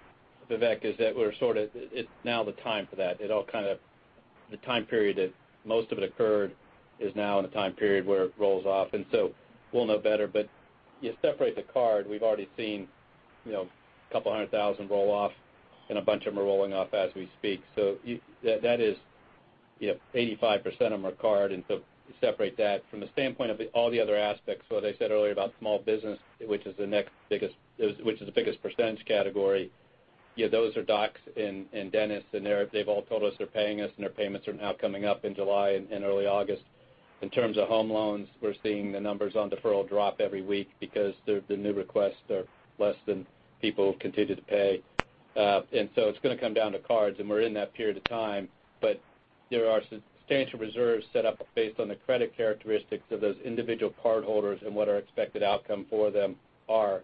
Vivek, is that it's now the time for that. The time period that most of it occurred is now in a time period where it rolls off, and so we'll know better. You separate the card, we've already seen a couple hundred thousand roll off, and a bunch of them are rolling off as we speak. That is 85% of them are card, and so separate that. From the standpoint of all the other aspects, so as I said earlier about small business, which is the biggest percentage category, those are docs and dentists, and they've all told us they're paying us, and their payments are now coming up in July and early August. In terms of home loans, we're seeing the numbers on deferral drop every week because the new requests are less than people who've continued to pay. It's going to come down to cards, and we're in that period of time. There are substantial reserves set up based on the credit characteristics of those individual cardholders and what our expected outcome for them are.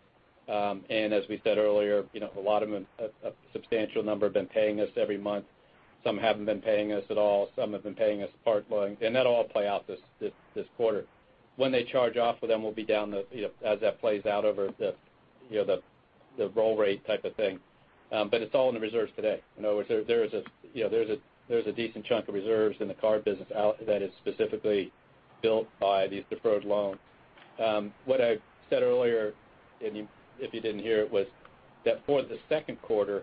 As we said earlier, a substantial number have been paying us every month. Some haven't been paying us at all. Some have been paying us part. That'll all play out this quarter. When they charge off with them, we'll be down as that plays out over the roll rate type of thing. It's all in the reserves today. In other words, there's a decent chunk of reserves in the card business that is specifically built by these deferred loans. What I said earlier, if you didn't hear it, was that for the second quarter,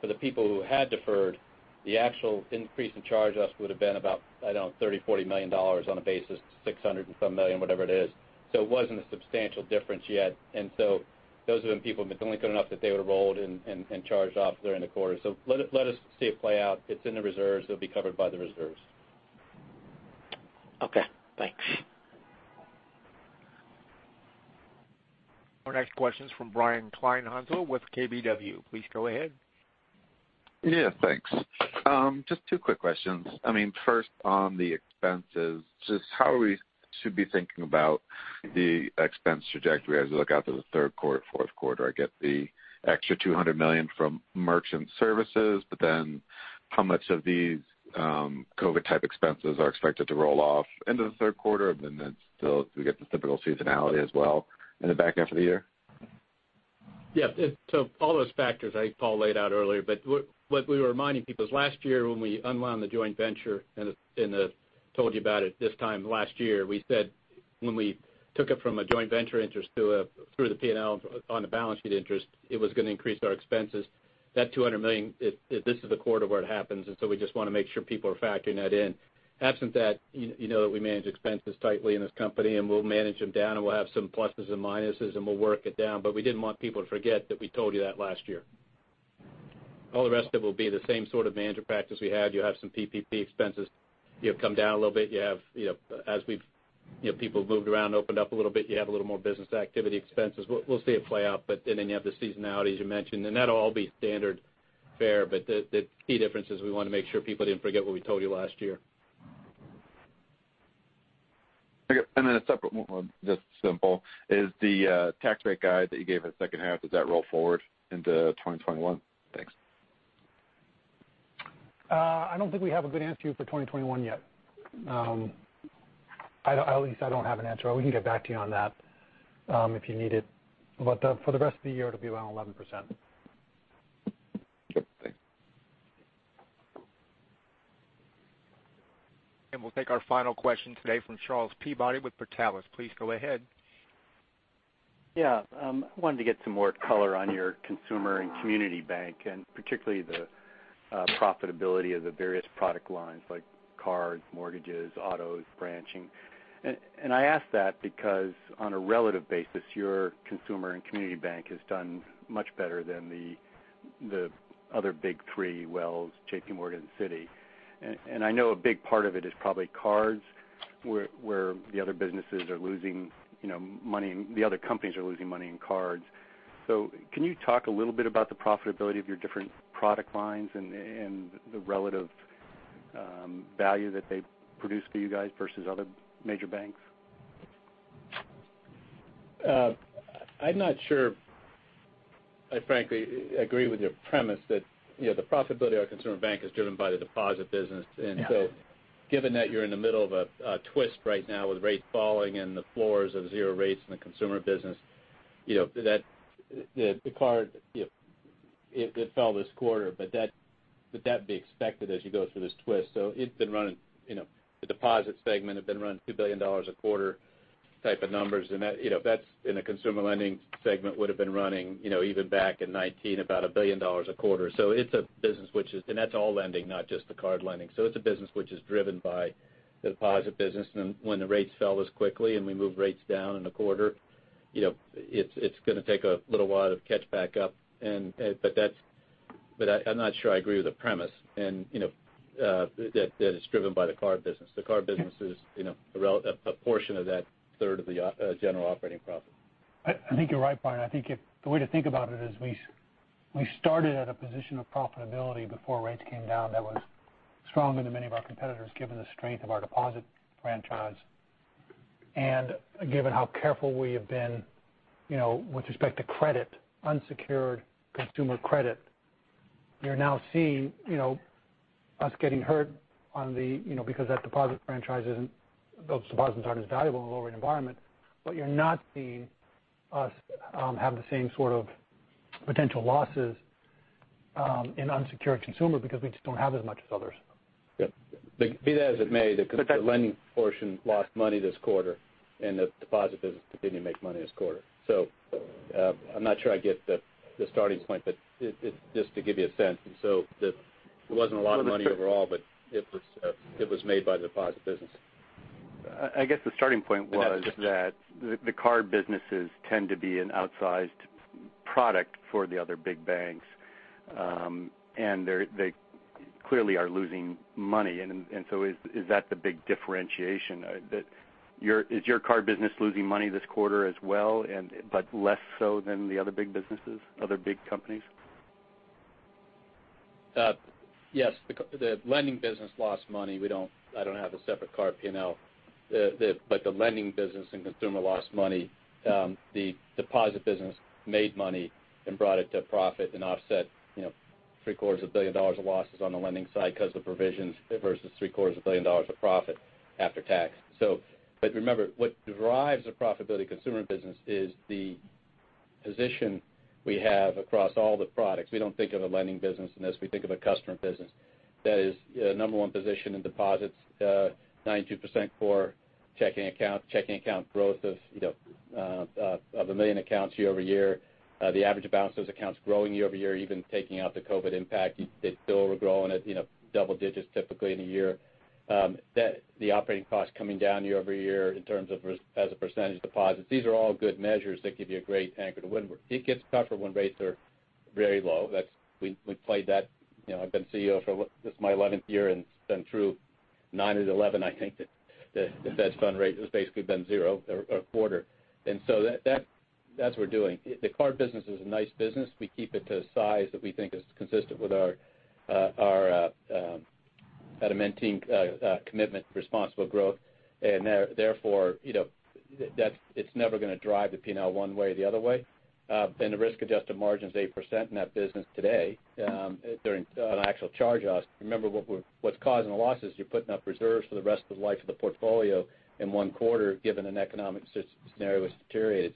for the people who had deferred, the actual increase in charge-offs would've been about, I don't know, $30 million, $40 million on a basis of $600 and some million, whatever it is. It wasn't a substantial difference yet. Those have been people who have been good enough that they would've rolled and charged off during the quarter. Let us see it play out. It's in the reserves. It'll be covered by the reserves. Okay, thanks. Our next question is from Brian Kleinhanzl with KBW. Please go ahead. Yeah, thanks. Just two quick questions. First, on the expenses, just how should we be thinking about the expense trajectory as we look out to the third quarter, fourth quarter. I get the extra $200 million from merchant services, but then how much of these COVID type expenses are expected to roll off into the third quarter? Still we get the typical seasonality as well in the back end of the year. Yeah. All those factors, I think Paul laid out earlier, but what we were reminding people is last year when we unwound the joint venture and told you about it this time last year, we said when we took it from a joint venture interest through the P&L on the balance sheet interest, it was going to increase our expenses. That $200 million, this is the quarter where it happens, and so we just want to make sure people are factoring that in. Absent that, you know that we manage expenses tightly in this company, and we'll manage them down, and we'll have some pluses and minuses, and we'll work it down. We didn't want people to forget that we told you that last year. All the rest of it will be the same sort of manager practice we had. You'll have some PPP expenses. You'll come down a little bit. As people have moved around, opened up a little bit, you have a little more business activity expenses. We'll see it play out, but then you have the seasonality, as you mentioned, and that'll all be standard fare. The key difference is we want to make sure people didn't forget what we told you last year. A separate one, just simple. Is the tax rate guide that you gave in the second half, does that roll forward into 2021? Thanks. I don't think we have a good answer for you for 2021 yet. At least I don't have an answer. We can get back to you on that if you need it. For the rest of the year, it'll be around 11%. Okay, thanks. We'll take our final question today from Charles Peabody with Portales. Please go ahead. I wanted to get some more color on your Consumer and Community Bank, particularly the profitability of the various product lines like cards, mortgages, autos, branching. I ask that because, on a relative basis, your Consumer and Community Bank has done much better than the other big three, Wells, JPMorgan, and Citi. I know a big part of it is probably cards, where the other companies are losing money in cards. Can you talk a little bit about the profitability of your different product lines and the relative value that they produce for you guys versus other major banks? I'm not sure I frankly agree with your premise that the profitability of our consumer bank is driven by the deposit business. Yeah. Given that you're in the middle of a twist right now with rates falling and the floors of zero rates in the consumer business, the card, it fell this quarter. That'd be expected as you go through this twist. The deposit segment had been running $2 billion a quarter type of numbers, and that, in the consumer lending segment, would've been running even back in 2019, about $1 billion a quarter. It's a business which is and that's all lending, not just the card lending. It's a business which is driven by the deposit business. When the rates fell as quickly, and we moved rates down in a quarter, it's going to take a little while to catch back up. I'm not sure I agree with the premise that it's driven by the card business. The card business is a portion of that third of the general operating profit. I think you're right, Brian. I think the way to think about it is we started at a position of profitability before rates came down that was stronger than many of our competitors, given the strength of our deposit franchise. Given how careful we have been with respect to credit, unsecured consumer credit, you're now seeing us getting hurt because those deposits aren't as valuable in a lower environment. You're not seeing us have the same sort of potential losses in unsecured consumer because we just don't have as much as others. Yep. Be that as it may, the lending portion lost money this quarter, the deposit business continued to make money this quarter. I'm not sure I get the starting point, but just to give you a sense. It wasn't a lot of money overall, but it was made by the deposit business. I guess the starting point was that the card businesses tend to be an outsized product for the other big banks. They clearly are losing money. Is that the big differentiation? Is your card business losing money this quarter as well, but less so than the other big companies? Yes. The lending business lost money. I don't have a separate card P&L. The lending business and consumer lost money. The deposit business made money and brought it to profit and offset three-quarters of a billion dollars of losses on the lending side because of provisions versus three-quarters of a billion dollars of profit after tax. Remember, what drives the profitability of consumer business is the position we have across all the products. We don't think of a lending business in this. We think of a customer business. That is a number one position in deposits, 92% core checking accounts, checking account growth of 1 million accounts year-over-year. The average balance of those accounts growing year-over-year, even taking out the COVID impact, it's still growing at double digits typically in a year. The operating costs coming down year-over-year as a percentage of deposits. These are all good measures that give you a great anchor. It gets tougher when rates are very low. We played that. I've been CEO for, this is my 11th year, and it's been through nine of the 11, I think, that the Fed Funds rate has basically been zero or a quarter. That's what we're doing. The card business is a nice business. We keep it to a size that we think is consistent with our commitment to responsible growth. Therefore, it's never going to drive the P&L one way or the other way. The risk-adjusted margin's 8% in that business today during an actual charge-off. Remember what's causing the losses, you're putting up reserves for the rest of the life of the portfolio in one quarter, given an economic scenario has deteriorated.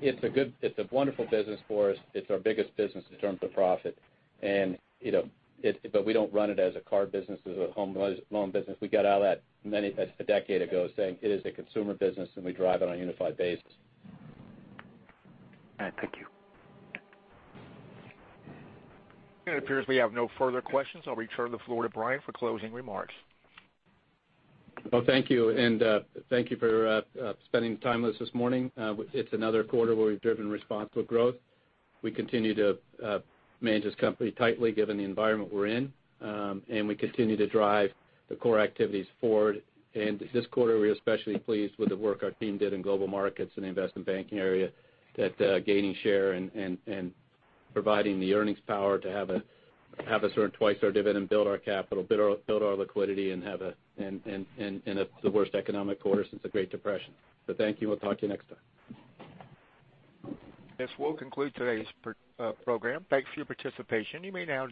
It's a wonderful business for us. It's our biggest business in terms of profit. We don't run it as a card business, as a home loan business. We got out of that a decade ago, saying it is a consumer business, and we drive it on a unified basis. All right, thank you. It appears we have no further questions. I'll return the floor to Brian for closing remarks. Well, thank you. Thank you for spending time with us this morning. It's another quarter where we've driven responsible growth. We continue to manage this company tightly given the environment we're in. We continue to drive the core activities forward. This quarter, we're especially pleased with the work our team did in Global Markets and the Investment Banking, that gaining share and providing the earnings power to have us earn 2x our dividend, build our capital, build our liquidity, and in the worst economic quarter since the Great Depression. Thank you. We'll talk to you next time. This will conclude today's program. Thanks for your participation. You may now disconnect.